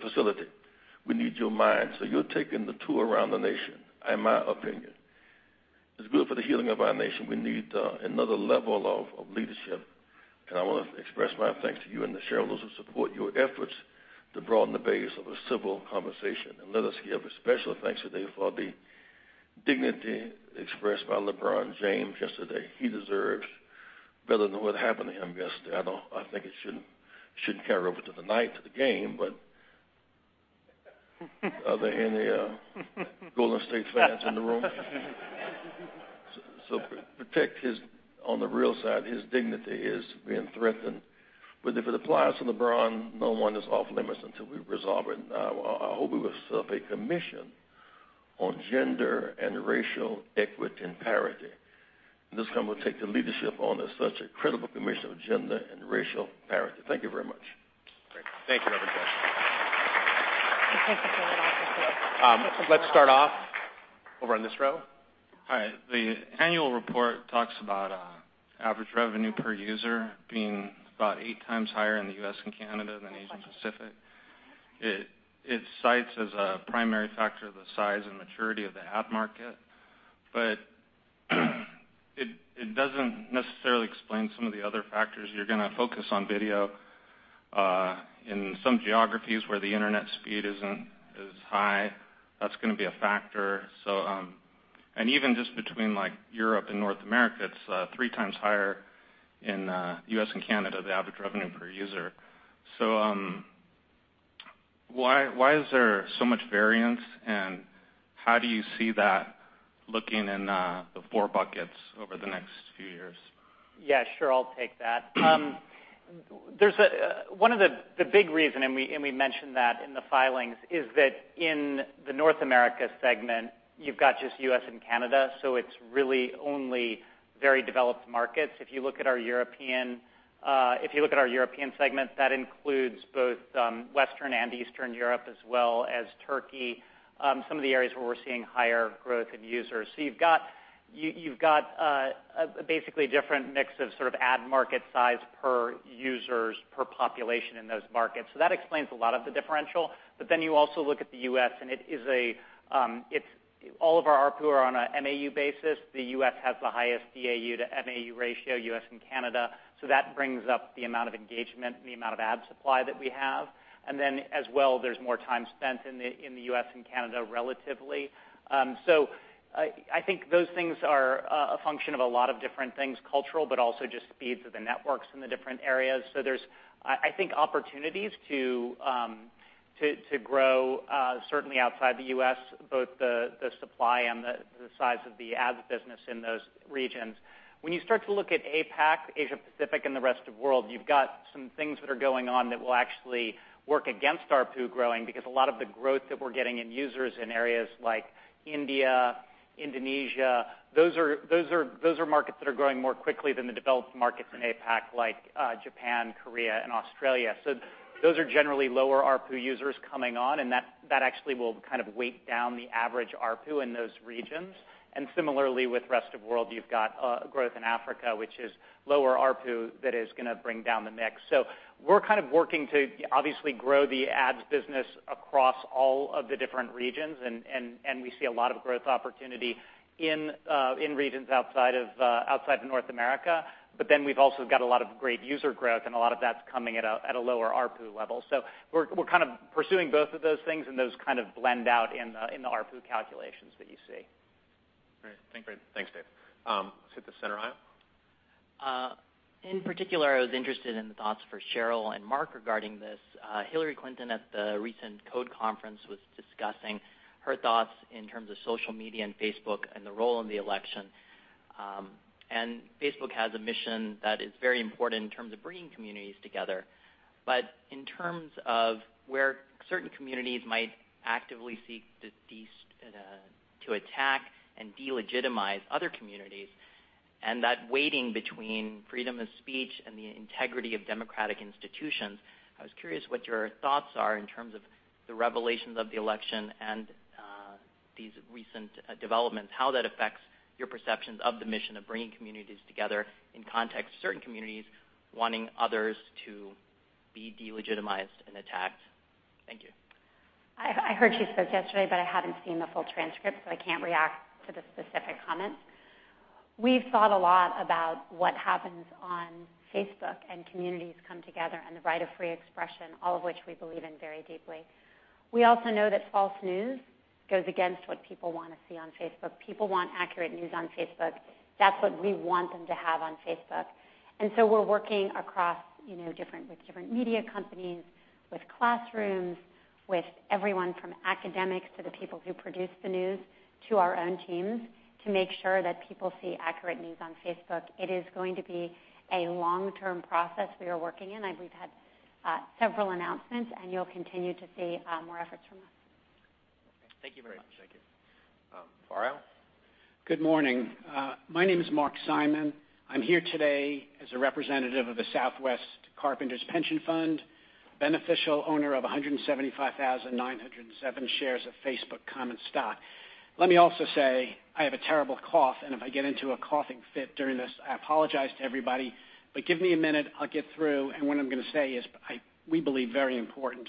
facility. We need your minds. You're taking the tour around the nation. In my opinion, it's good for the healing of our nation. We need another level of leadership. I want to express my thanks to you and the shareholders who support your efforts to broaden the base of a civil conversation. Let us give a special thanks today for the dignity expressed by LeBron James yesterday. He deserves better than what happened to him yesterday. I think it shouldn't carry over to tonight's game. Are there any Golden State fans in the room? On the real side, his dignity is being threatened. If it applies to LeBron, no one is off-limits until we resolve it. I hope it was a commission on gender and racial equity and parity. This company will take the leadership on this, such a credible commission of gender and racial parity. Thank you very much. Great. Thank you, Reverend Jesse. We'll take the first question. Let's start off over in this row. Hi. The annual report talks about average revenue per user being about 8 times higher in the U.S. and Canada than Asia-Pacific. It cites as a primary factor, the size and maturity of the ad market. It doesn't necessarily explain some of the other factors. You're going to focus on video. In some geographies where the internet speed isn't as high, that's going to be a factor. Even just between Europe and North America, it's 3 times higher in the U.S. and Canada, the average revenue per user. Why is there so much variance, and how do you see that looking in the 4 buckets over the next few years? Yeah, sure. I'll take that. One of the big reason, we mentioned that in the filings, is that in the North America segment, you've got just U.S. and Canada, it's really only very developed markets. If you look at our European segment, that includes both Western and Eastern Europe as well as Turkey, some of the areas where we're seeing higher growth in users. You've got basically a different mix of ad market size per users, per population in those markets. That explains a lot of the differential. You also look at the U.S., and all of our ARPU are on a MAU basis. The U.S. has the highest DAU to MAU ratio, U.S. and Canada, that brings up the amount of engagement and the amount of ad supply that we have. As well, there's more time spent in the U.S. and Canada, relatively. I think those things are a function of a lot of different things, cultural, but also just speeds of the networks in the different areas. There's, I think, opportunities to grow, certainly outside the U.S., both the supply and the size of the ads business in those regions. When you start to look at APAC, Asia-Pacific, and the rest of world, you've got some things that are going on that will actually work against ARPU growing because a lot of the growth that we're getting in users in areas like India, Indonesia, those are markets that are growing more quickly than the developed markets in APAC, like Japan, Korea, and Australia. Those are generally lower ARPU users coming on, that actually will kind of weight down the average ARPU in those regions. Similarly with rest of world, you've got growth in Africa, which is lower ARPU that is going to bring down the mix. We're kind of working to obviously grow the ads business across all of the different regions, we see a lot of growth opportunity in regions outside of North America. We've also got a lot of great user growth and a lot of that's coming at a lower ARPU level. We're kind of pursuing both of those things and those kind of blend out in the ARPU calculations that you see. Great. Thanks, Dave. Let's hit the center aisle. In particular, I was interested in the thoughts for Sheryl and Mark regarding this. Hillary Clinton at the recent Code Conference was discussing her thoughts in terms of social media and Facebook and the role in the election. Facebook has a mission that is very important in terms of bringing communities together. In terms of where certain communities might actively seek to attack and delegitimize other communities, and that weighting between freedom of speech and the integrity of democratic institutions, I was curious what your thoughts are in terms of the revelations of the election and these recent developments, how that affects your perceptions of the mission of bringing communities together in context of certain communities wanting others to be delegitimized and attacked. Thank you. I heard she spoke yesterday, but I haven't seen the full transcript, so I can't react to the specific comments. We've thought a lot about what happens on Facebook and communities come together and the right of free expression, all of which we believe in very deeply. We also know that false news goes against what people want to see on Facebook. People want accurate news on Facebook. That's what we want them to have on Facebook. We're working across with different media companies, with classrooms, with everyone from academics to the people who produce the news to our own teams to make sure that people see accurate news on Facebook. It is going to be a long-term process we are working in. We've had several announcements, and you'll continue to see more efforts from us. Thank you very much. Great. Thank you. Far aisle. Good morning. My name is Mark Simon. I'm here today as a representative of the Southwest Carpenters Pension Fund, beneficial owner of 175,907 shares of Facebook common stock. Let me also say, I have a terrible cough, and if I get into a coughing fit during this, I apologize to everybody, but give me a minute, I'll get through, and what I'm going to say is, we believe, very important.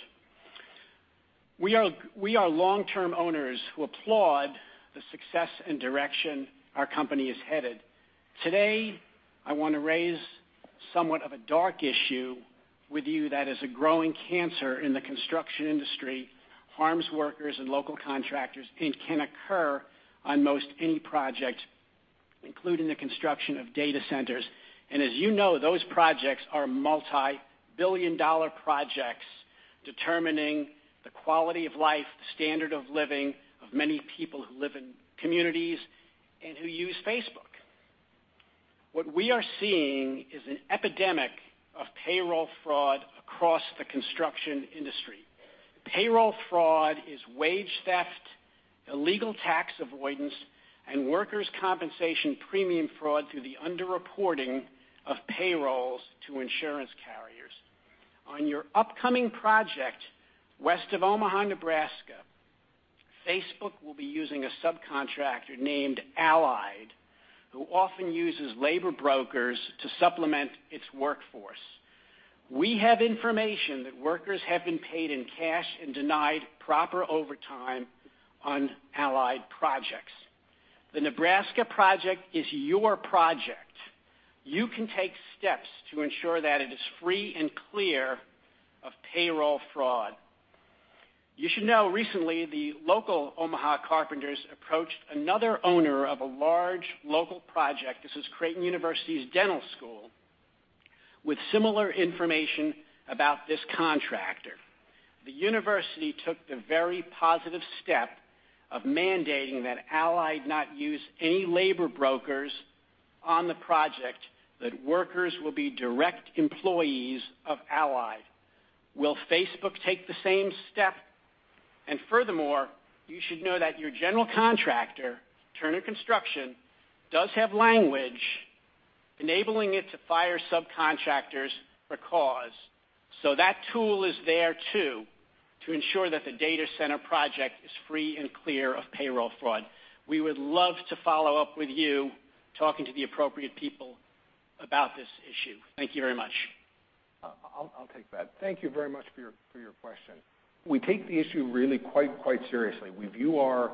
We are long-term owners who applaud the success and direction our company is headed. Today, I want to raise somewhat of a dark issue with you that is a growing cancer in the construction industry, harms workers and local contractors, and can occur on most any project, including the construction of data centers. As you know, those projects are multi-billion dollar projects determining the quality of life, the standard of living of many people who live in communities and who use Facebook. What we are seeing is an epidemic of payroll fraud across the construction industry. Payroll fraud is wage theft, illegal tax avoidance, and workers compensation premium fraud through the under-reporting of payrolls to insurance carriers. On your upcoming project, west of Omaha, Nebraska, Facebook will be using a subcontractor named Allied, who often uses labor brokers to supplement its workforce. We have information that workers have been paid in cash and denied proper overtime on Allied projects. The Nebraska project is your project. You can take steps to ensure that it is free and clear of payroll fraud. You should know recently, the local Omaha carpenters approached another owner of a large local project, this is Creighton University's dental school, with similar information about this contractor. The university took the very positive step of mandating that Allied not use any labor brokers on the project, that workers will be direct employees of Allied. Will Facebook take the same step? Furthermore, you should know that your general contractor, Turner Construction, does have language enabling it to fire subcontractors for cause. That tool is there too, to ensure that the data center project is free and clear of payroll fraud. We would love to follow up with you talking to the appropriate people about this issue. Thank you very much. I'll take that. Thank you very much for your question. We take the issue really quite seriously. We view our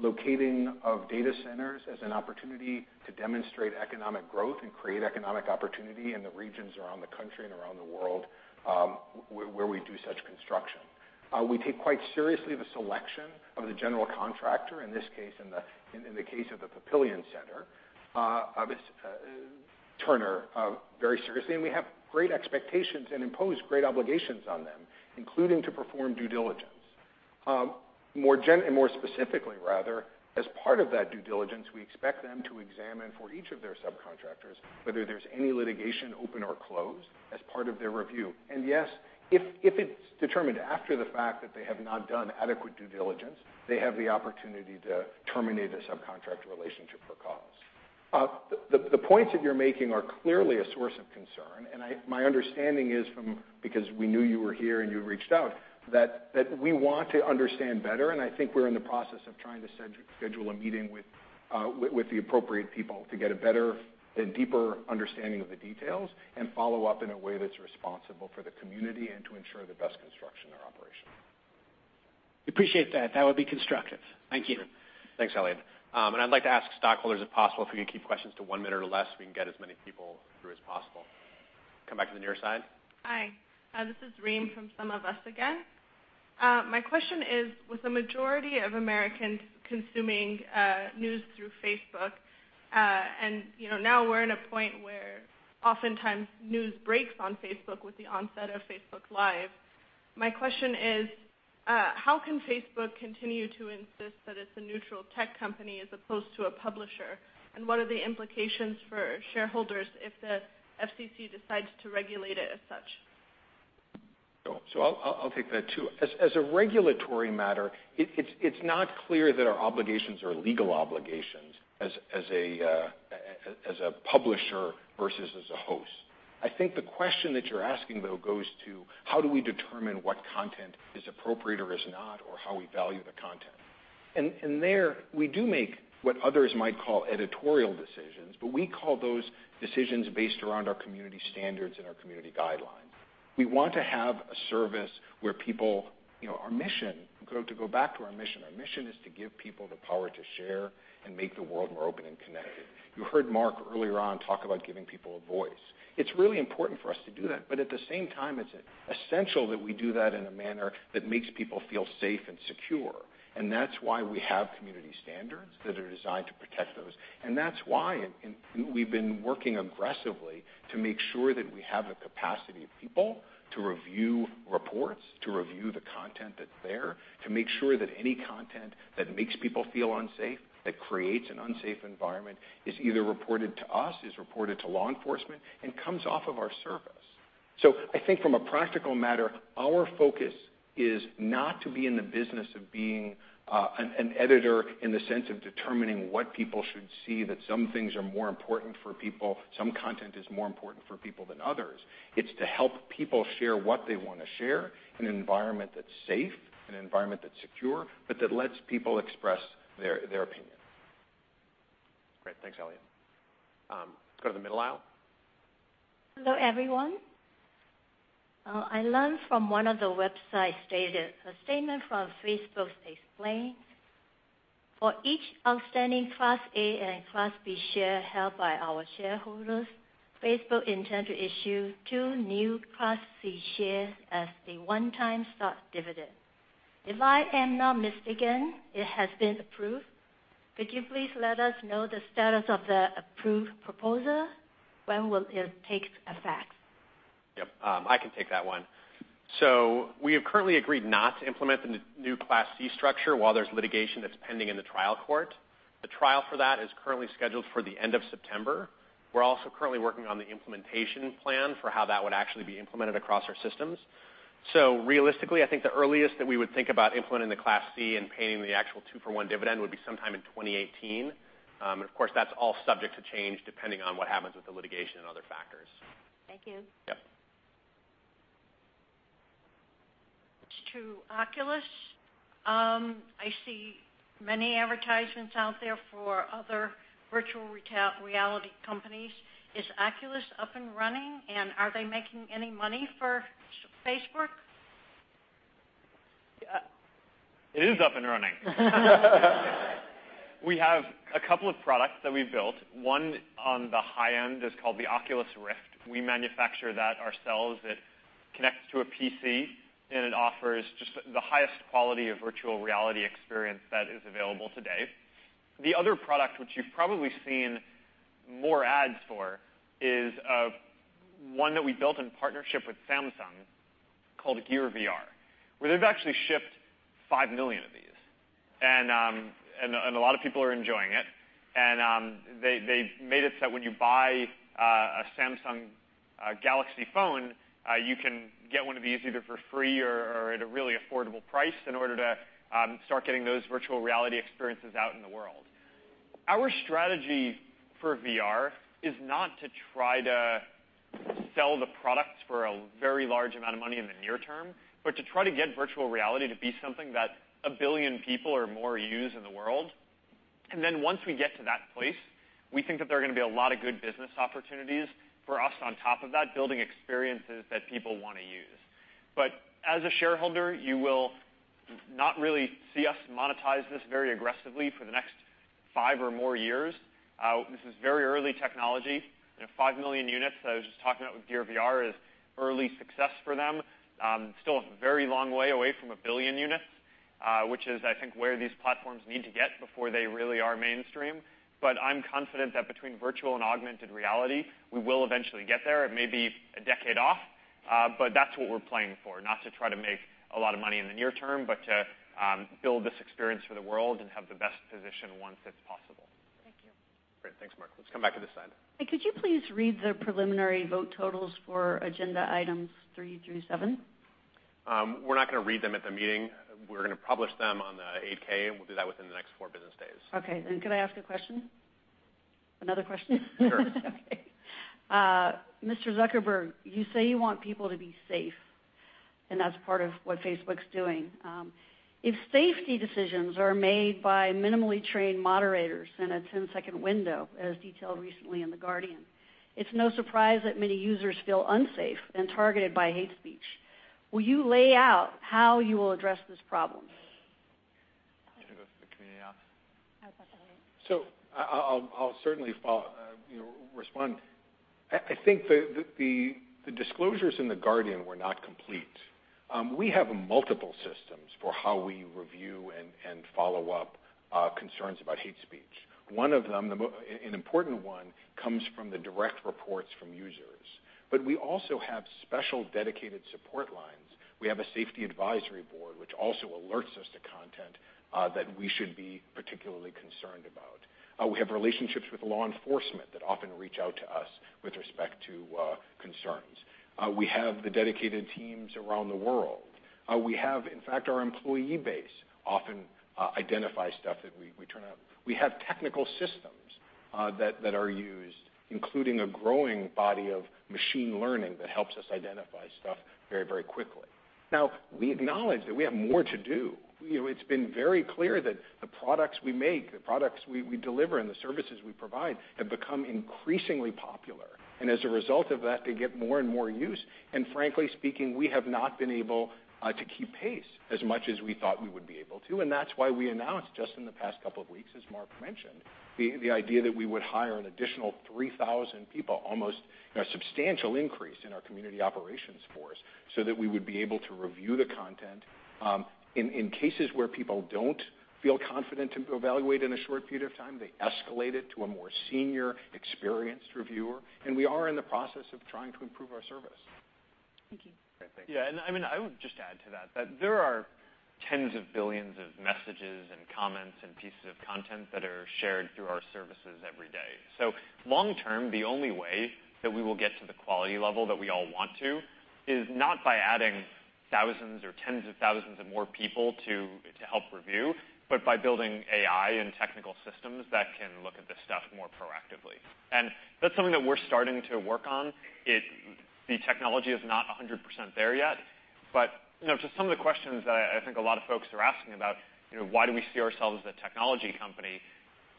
locating of data centers as an opportunity to demonstrate economic growth and create economic opportunity in the regions around the country and around the world where we do such construction. We take quite seriously the selection of the general contractor, in this case, in the case of the Papillion Center, Turner, very seriously, and we have great expectations and impose great obligations on them, including to perform due diligence. More specifically, as part of that due diligence, we expect them to examine for each of their subcontractors whether there's any litigation, open or closed, as part of their review. Yes, if it's determined after the fact that they have not done adequate due diligence, they have the opportunity to terminate a subcontract relationship for cause. The points that you're making are clearly a source of concern, my understanding is from, because we knew you were here and you reached out, that we want to understand better. I think we're in the process of trying to schedule a meeting with the appropriate people to get a better and deeper understanding of the details and follow up in a way that's responsible for the community and to ensure the best construction or operation. Appreciate that. That would be constructive. Thank you. Thanks, Elliot. I'd like to ask stockholders, if possible, if we could keep questions to one minute or less, we can get as many people through as possible. Come back to the near side. Hi. This is Reem from SumOfUs again. My question is, with the majority of Americans consuming news through Facebook, and now we're in a point where oftentimes news breaks on Facebook with the onset of Facebook Live. My question is, how can Facebook continue to insist that it's a neutral tech company as opposed to a publisher? What are the implications for shareholders if the FTC decides to regulate it as such? I'll take that too. As a regulatory matter, it's not clear that our obligations are legal obligations as a publisher versus as a host. I think the question that you're asking, though, goes to how do we determine what content is appropriate or is not, or how we value the content? There we do make what others might call editorial decisions, but we call those decisions based around our community standards and our community guidelines. We want to have a service where our mission, to go back to our mission, our mission is to give people the power to share and make the world more open and connected. You heard Mark earlier on talk about giving people a voice. It's really important for us to do that, at the same time, it's essential that we do that in a manner that makes people feel safe and secure. That's why we have community standards that are designed to protect those. That's why we've been working aggressively to make sure that we have the capacity of people to review reports, to review the content that's there, to make sure that any content that makes people feel unsafe, that creates an unsafe environment, is either reported to us, is reported to law enforcement, and comes off of our service. I think from a practical matter, our focus is not to be in the business of being an editor in the sense of determining what people should see, that some things are more important for people, some content is more important for people than others. It's to help people share what they want to share in an environment that's safe, an environment that's secure, but that lets people express their opinion. Great. Thanks, Elliot. Let's go to the middle aisle. Hello, everyone. I learned from one of the websites stated a statement from Facebook explains for each outstanding Class A and Class B share held by our shareholders, Facebook intends to issue two new Class C shares as a one-time stock dividend. If I am not mistaken, it has been approved. Could you please let us know the status of the approved proposal? When will it take effect? Yep. I can take that one. We have currently agreed not to implement the new Class C structure while there's litigation that's pending in the trial court. The trial for that is currently scheduled for the end of September. We're also currently working on the implementation plan for how that would actually be implemented across our systems. Realistically, I think the earliest that we would think about implementing the Class C and paying the actual two-for-one dividend would be sometime in 2018. Of course, that's all subject to change depending on what happens with the litigation and other factors. Thank you. Yep. To Oculus. I see many advertisements out there for other virtual reality companies. Is Oculus up and running, and are they making any money for Facebook? It is up and running. We have a couple of products that we've built. One on the high end is called the Oculus Rift. We manufacture that ourselves. It connects to a PC, and it offers just the highest quality of virtual reality experience that is available today. The other product, which you've probably seen more ads for, is one that we built in partnership with Samsung called Gear VR, where they've actually shipped 5 million of these. A lot of people are enjoying it. They made it so that when you buy a Samsung Galaxy phone, you can get one of these either for free or at a really affordable price in order to start getting those virtual reality experiences out in the world. Our strategy for VR is not to try to sell the product for a very large amount of money in the near term, but to try to get virtual reality to be something that 1 billion people or more use in the world. Then once we get to that place, we think that there are going to be a lot of good business opportunities for us on top of that, building experiences that people want to use. As a shareholder, you will not really see us monetize this very aggressively for the next five or more years. This is very early technology and 5 million units, I was just talking about with Gear VR, is early success for them. Still a very long way away from 1 billion units, which is, I think, where these platforms need to get before they really are mainstream. I'm confident that between virtual and augmented reality, we will eventually get there. It may be a decade off, but that's what we're playing for, not to try to make a lot of money in the near term, but to build this experience for the world and have the best position once it's possible. Thank you. Great. Thanks, Mark. Let's come back to this side. Hey, could you please read the preliminary vote totals for agenda items three through seven? We're not going to read them at the meeting. We're going to publish them on the 8-K. We'll do that within the next four business days. Okay. Could I ask a question? Another question? Sure. Okay. Mr. Zuckerberg, you say you want people to be safe, that's part of what Facebook's doing. If safety decisions are made by minimally trained moderators in a 10-second window, as detailed recently in The Guardian, it's no surprise that many users feel unsafe and targeted by hate speech. Will you lay out how you will address this problem? You want to go for the community ops? I was about to anyway. I'll certainly respond. I think the disclosures in The Guardian were not complete. We have multiple systems for how we review and follow up concerns about hate speech. One of them, an important one, comes from the direct reports from users. We also have special dedicated support lines. We have a safety advisory board, which also alerts us to content that we should be particularly concerned about. We have relationships with law enforcement that often reach out to us with respect to concerns. We have the dedicated teams around the world. We have, in fact, our employee base often identify stuff that we turn up. We have technical systems that are used, including a growing body of machine learning that helps us identify stuff very quickly. We acknowledge that we have more to do. It's been very clear that the products we make, the products we deliver, and the services we provide have become increasingly popular. As a result of that, they get more and more use. Frankly speaking, we have not been able to keep pace as much as we thought we would be able to, and that's why we announced just in the past couple of weeks, as Mark mentioned, the idea that we would hire an additional 3,000 people, almost a substantial increase in our community operations force, so that we would be able to review the content. In cases where people don't feel confident to evaluate in a short period of time, they escalate it to a more senior, experienced reviewer, and we are in the process of trying to improve our service. Thank you. Great. Thank you. I would just add to that there are tens of billions of messages and comments and pieces of content that are shared through our services every day. Long term, the only way that we will get to the quality level that we all want to is not by adding thousands or tens of thousands of more people to help review, but by building AI and technical systems that can look at this stuff more proactively. That's something that we're starting to work on. The technology is not 100% there yet, to some of the questions that I think a lot of folks are asking about, why do we see ourselves as a technology company?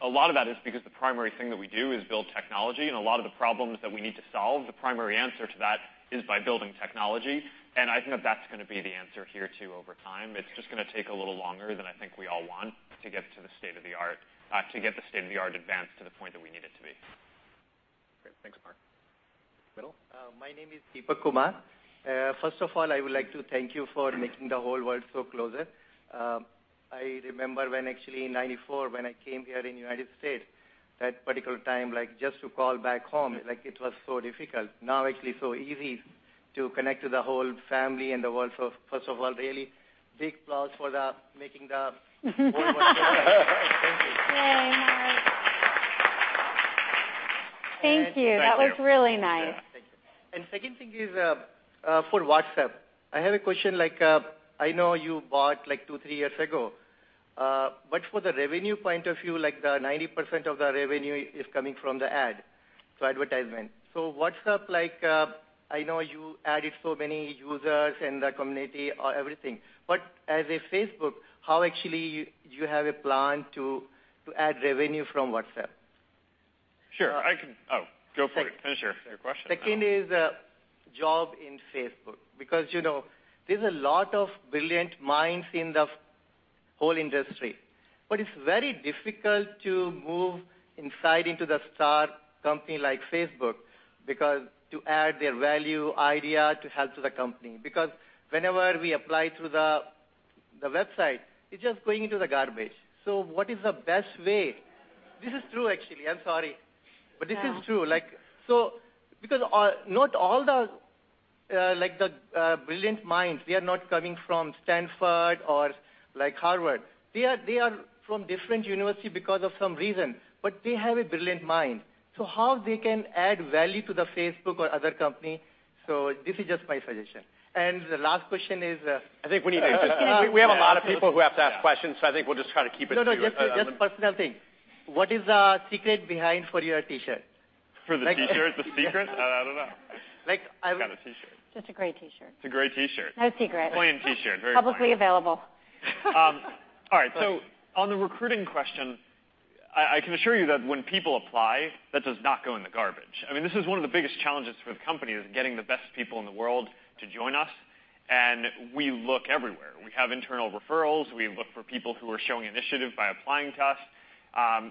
A lot of that is because the primary thing that we do is build technology, a lot of the problems that we need to solve, the primary answer to that is by building technology, I think that that's going to be the answer here, too, over time. It's just going to take a little longer than I think we all want to get the state-of-the-art advanced to the point that we need it to be. Great. Thanks, Mark. Middle. My name is Deepak Kumar. First of all, I would like to thank you for making the whole world so closer. I remember when actually in 1994 when I came here in the United States, that particular time, just to call back home, it was so difficult. Now, actually so easy to connect to the whole family and the world. First of all, really big applause for the making the world one. Thank you. Yay, Mark. Thank you. Thank you. That was really nice. Yeah. Thank you. Second thing is for WhatsApp. I have a question, I know you bought two, three years ago. For the revenue point of view, the 90% of the revenue is coming from the ad, so advertisement. WhatsApp, I know you added so many users in the community or everything, but as a Facebook, how actually do you have a plan to add revenue from WhatsApp? Sure, go for it. Finish your question. Second is job in Facebook, because there's a lot of brilliant minds in the whole industry, it's very difficult to move inside into the star company like Facebook to add their value idea to help to the company. Whenever we apply through the website, it's just going into the garbage. What is the best way? This is true, actually. I'm sorry. Yeah. This is true. Not all the brilliant minds, they are not coming from Stanford or Harvard. They are from different university because of some reason, but they have a brilliant mind. How they can add value to the Facebook or other company? This is just my suggestion. The last question is. I think we need to. We have a lot of people who have to ask questions, I think we'll just try to keep it to. No, no, just personal thing. What is the secret behind for your T-shirt? For the T-shirt? The secret? I don't know. I would. It's got a T-shirt. Just a gray T-shirt. It's a gray T-shirt. No secret. Plain T-shirt. Very plain. Publicly available. All right. On the recruiting question- I can assure you that when people apply, that does not go in the garbage. This is one of the biggest challenges for the company, is getting the best people in the world to join us, and we look everywhere. We have internal referrals. We look for people who are showing initiative by applying to us.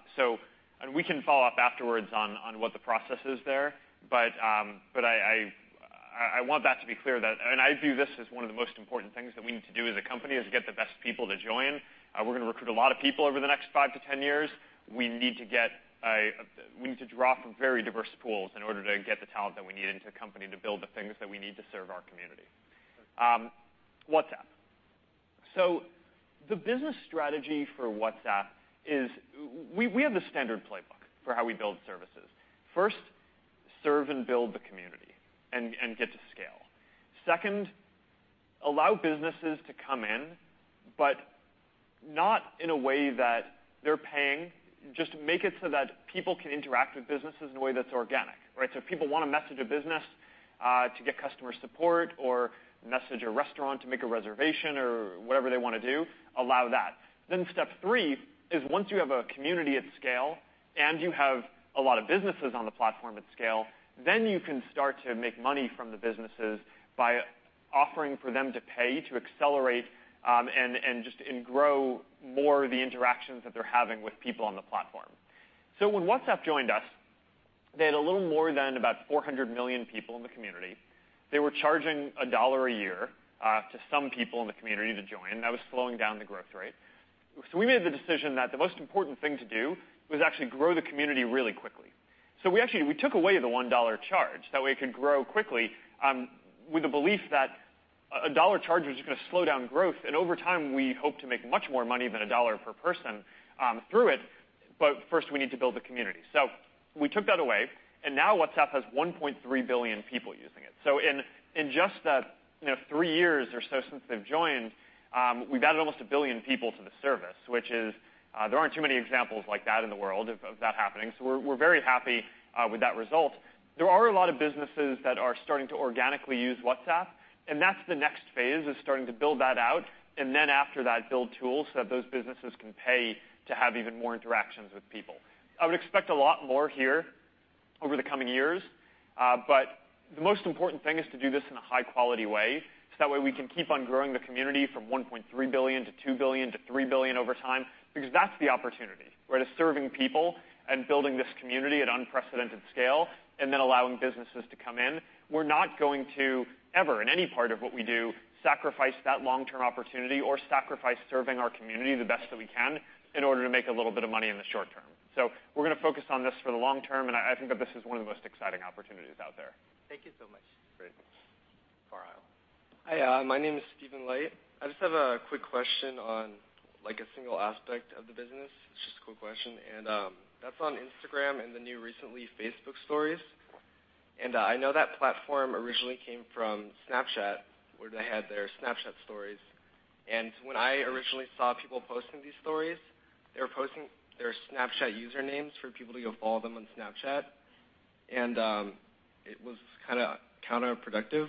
We can follow up afterwards on what the process is there, but I want that to be clear. I view this as one of the most important things that we need to do as a company, is get the best people to join. We're going to recruit a lot of people over the next 5 to 10 years. We need to draw from very diverse pools in order to get the talent that we need into the company to build the things that we need to serve our community. WhatsApp. The business strategy for WhatsApp is we have the standard playbook for how we build services. First, serve and build the community and get to scale. Second, allow businesses to come in, but not in a way that they're paying. Just make it so that people can interact with businesses in a way that's organic. If people want to message a business to get customer support, or message a restaurant to make a reservation, or whatever they want to do, allow that. Step 3 is once you have a community at scale and you have a lot of businesses on the platform at scale, then you can start to make money from the businesses by offering for them to pay, to accelerate and grow more of the interactions that they're having with people on the platform. When WhatsApp joined us, they had a little more than about 400 million people in the community. They were charging $1 a year to some people in the community to join. That was slowing down the growth rate. We made the decision that the most important thing to do was actually grow the community really quickly. We took away the $1 charge. That way it could grow quickly with the belief that $1 charge was just going to slow down growth, and over time, we hope to make much more money than $1 per person through it, but first we need to build the community. We took that away, and now WhatsApp has 1.3 billion people using it. In just three years or so since they've joined, we've added almost 1 billion people to the service, which there aren't too many examples like that in the world of that happening. We're very happy with that result. There are a lot of businesses that are starting to organically use WhatsApp, and that's the next phase, is starting to build that out, and then after that, build tools so that those businesses can pay to have even more interactions with people. I would expect a lot more here over the coming years. The most important thing is to do this in a high-quality way, so that way we can keep on growing the community from $1.3 billion to $2 billion to $3 billion over time, because that's the opportunity. To serving people and building this community at unprecedented scale, allowing businesses to come in. We're not going to ever, in any part of what we do, sacrifice that long-term opportunity or sacrifice serving our community the best that we can in order to make a little bit of money in the short term. We're going to focus on this for the long term, and I think that this is one of the most exciting opportunities out there. Thank you so much. Great. Far aisle. Hi, my name is Steven Light. I just have a quick question on a single aspect of the business. It's just a quick question, and that's on Instagram and the new recently Facebook Stories. I know that platform originally came from Snapchat, where they had their Snapchat Stories. When I originally saw people posting these Stories, they were posting their Snapchat usernames for people to go follow them on Snapchat. It was counterproductive.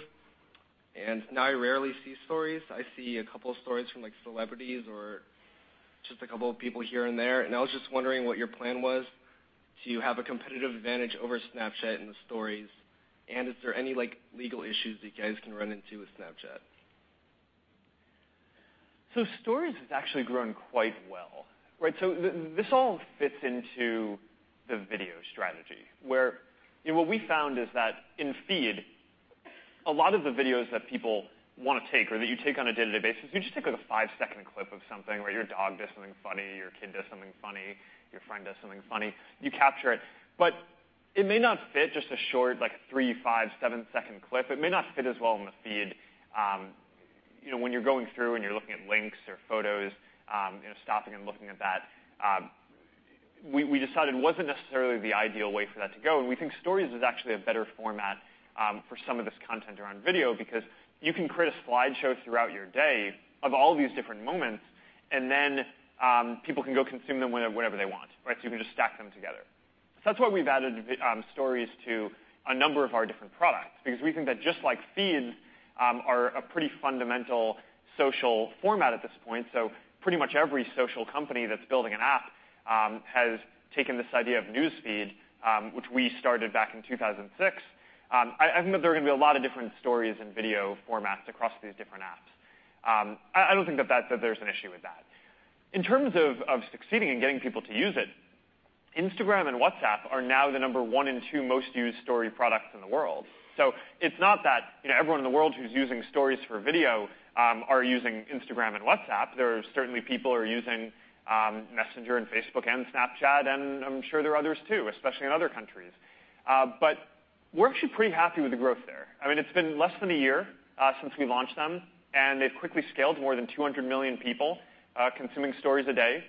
Now I rarely see Stories. I see a couple Stories from celebrities or just a couple of people here and there, and I was just wondering what your plan was to have a competitive advantage over Snapchat in the Stories. Is there any legal issues that you guys can run into with Snapchat? Stories has actually grown quite well. This all fits into the video strategy, where what we found is that in News Feed, a lot of the videos that people want to take or that you take on a day-to-day basis, you just take a five-second clip of something, where your dog does something funny, your kid does something funny, your friend does something funny, you capture it. It may not fit, just a short three, five, seven second clip, it may not fit as well in the News Feed. When you're going through and you're looking at links or photos, stopping and looking at that, we decided it wasn't necessarily the ideal way for that to go. We think Stories is actually a better format for some of this content around video, because you can create a slideshow throughout your day of all these different moments, and then people can go consume them whenever they want. You can just stack them together. That's why we've added Stories to a number of our different products, because we think that just like feeds are a pretty fundamental social format at this point. Pretty much every social company that's building an app has taken this idea of News Feed, which we started back in 2006. I think that there are going to be a lot of different Stories and video formats across these different apps. I don't think that there's an issue with that. In terms of succeeding and getting people to use it, Instagram and WhatsApp are now the number one and two most used Stories products in the world. It's not that everyone in the world who's using Stories for video are using Instagram and WhatsApp. There are certainly people who are using Messenger and Facebook and Snapchat, and I'm sure there are others too, especially in other countries. We're actually pretty happy with the growth there. It's been less than a year since we launched them, and they've quickly scaled to more than 200 million people consuming Stories a day.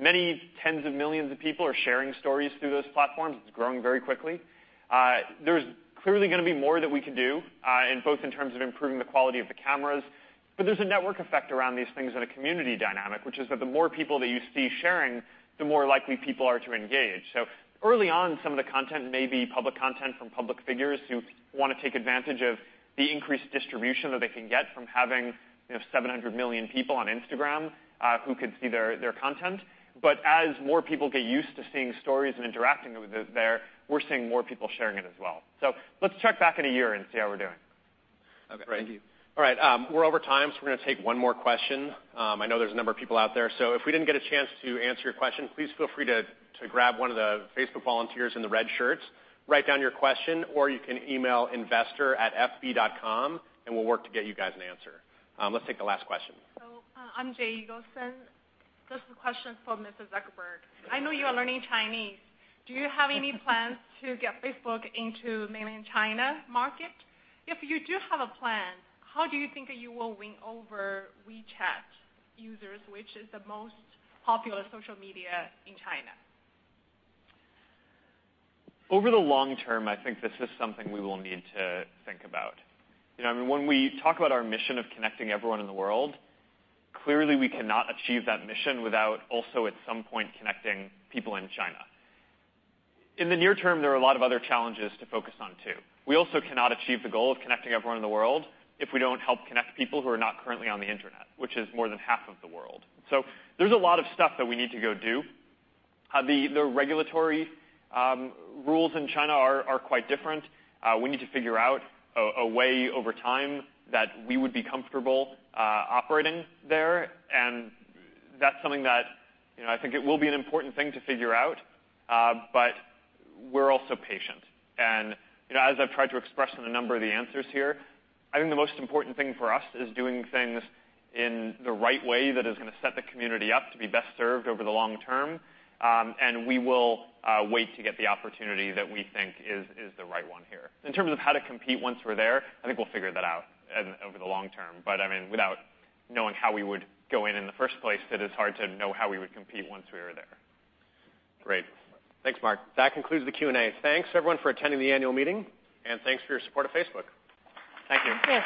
Many tens of millions of people are sharing stories through those platforms. It's growing very quickly. There's clearly going to be more that we can do, both in terms of improving the quality of the cameras. There's a network effect around these things in a community dynamic, which is that the more people that you see sharing, the more likely people are to engage. Early on, some of the content may be public content from public figures who want to take advantage of the increased distribution that they can get from having 700 million people on Instagram who could see their content. As more people get used to seeing stories and interacting there, we're seeing more people sharing it as well. Let's check back in a year and see how we're doing. Okay. Thank you. All right. We're over time, we're going to take one more question. I know there's a number of people out there, so if we didn't get a chance to answer your question, please feel free to grab one of the Facebook volunteers in the red shirts, write down your question, or you can email investor@fb.com and we'll work to get you guys an answer. Let's take the last question. I'm Jay Eagleson. This is a question for Mr. Zuckerberg. I know you are learning Chinese. Do you have any plans to get Facebook into Mainland China market? If you do have a plan, how do you think you will win over WeChat users, which is the most popular social media in China? Over the long term, I think this is something we will need to think about. When we talk about our mission of connecting everyone in the world, clearly we cannot achieve that mission without also at some point connecting people in China. In the near term, there are a lot of other challenges to focus on too. We also cannot achieve the goal of connecting everyone in the world if we don't help connect people who are not currently on the internet, which is more than half of the world. There's a lot of stuff that we need to go do. The regulatory rules in China are quite different. We need to figure out a way over time that we would be comfortable operating there, and that's something that I think it will be an important thing to figure out, but we're also patient. As I've tried to express in a number of the answers here, I think the most important thing for us is doing things in the right way that is going to set the community up to be best served over the long term, and we will wait to get the opportunity that we think is the right one here. In terms of how to compete once we're there, I think we'll figure that out over the long term. Without knowing how we would go in in the first place, it is hard to know how we would compete once we were there. Great. Thanks, Mark. That concludes the Q&A. Thanks everyone for attending the annual meeting, and thanks for your support of Facebook. Thank you.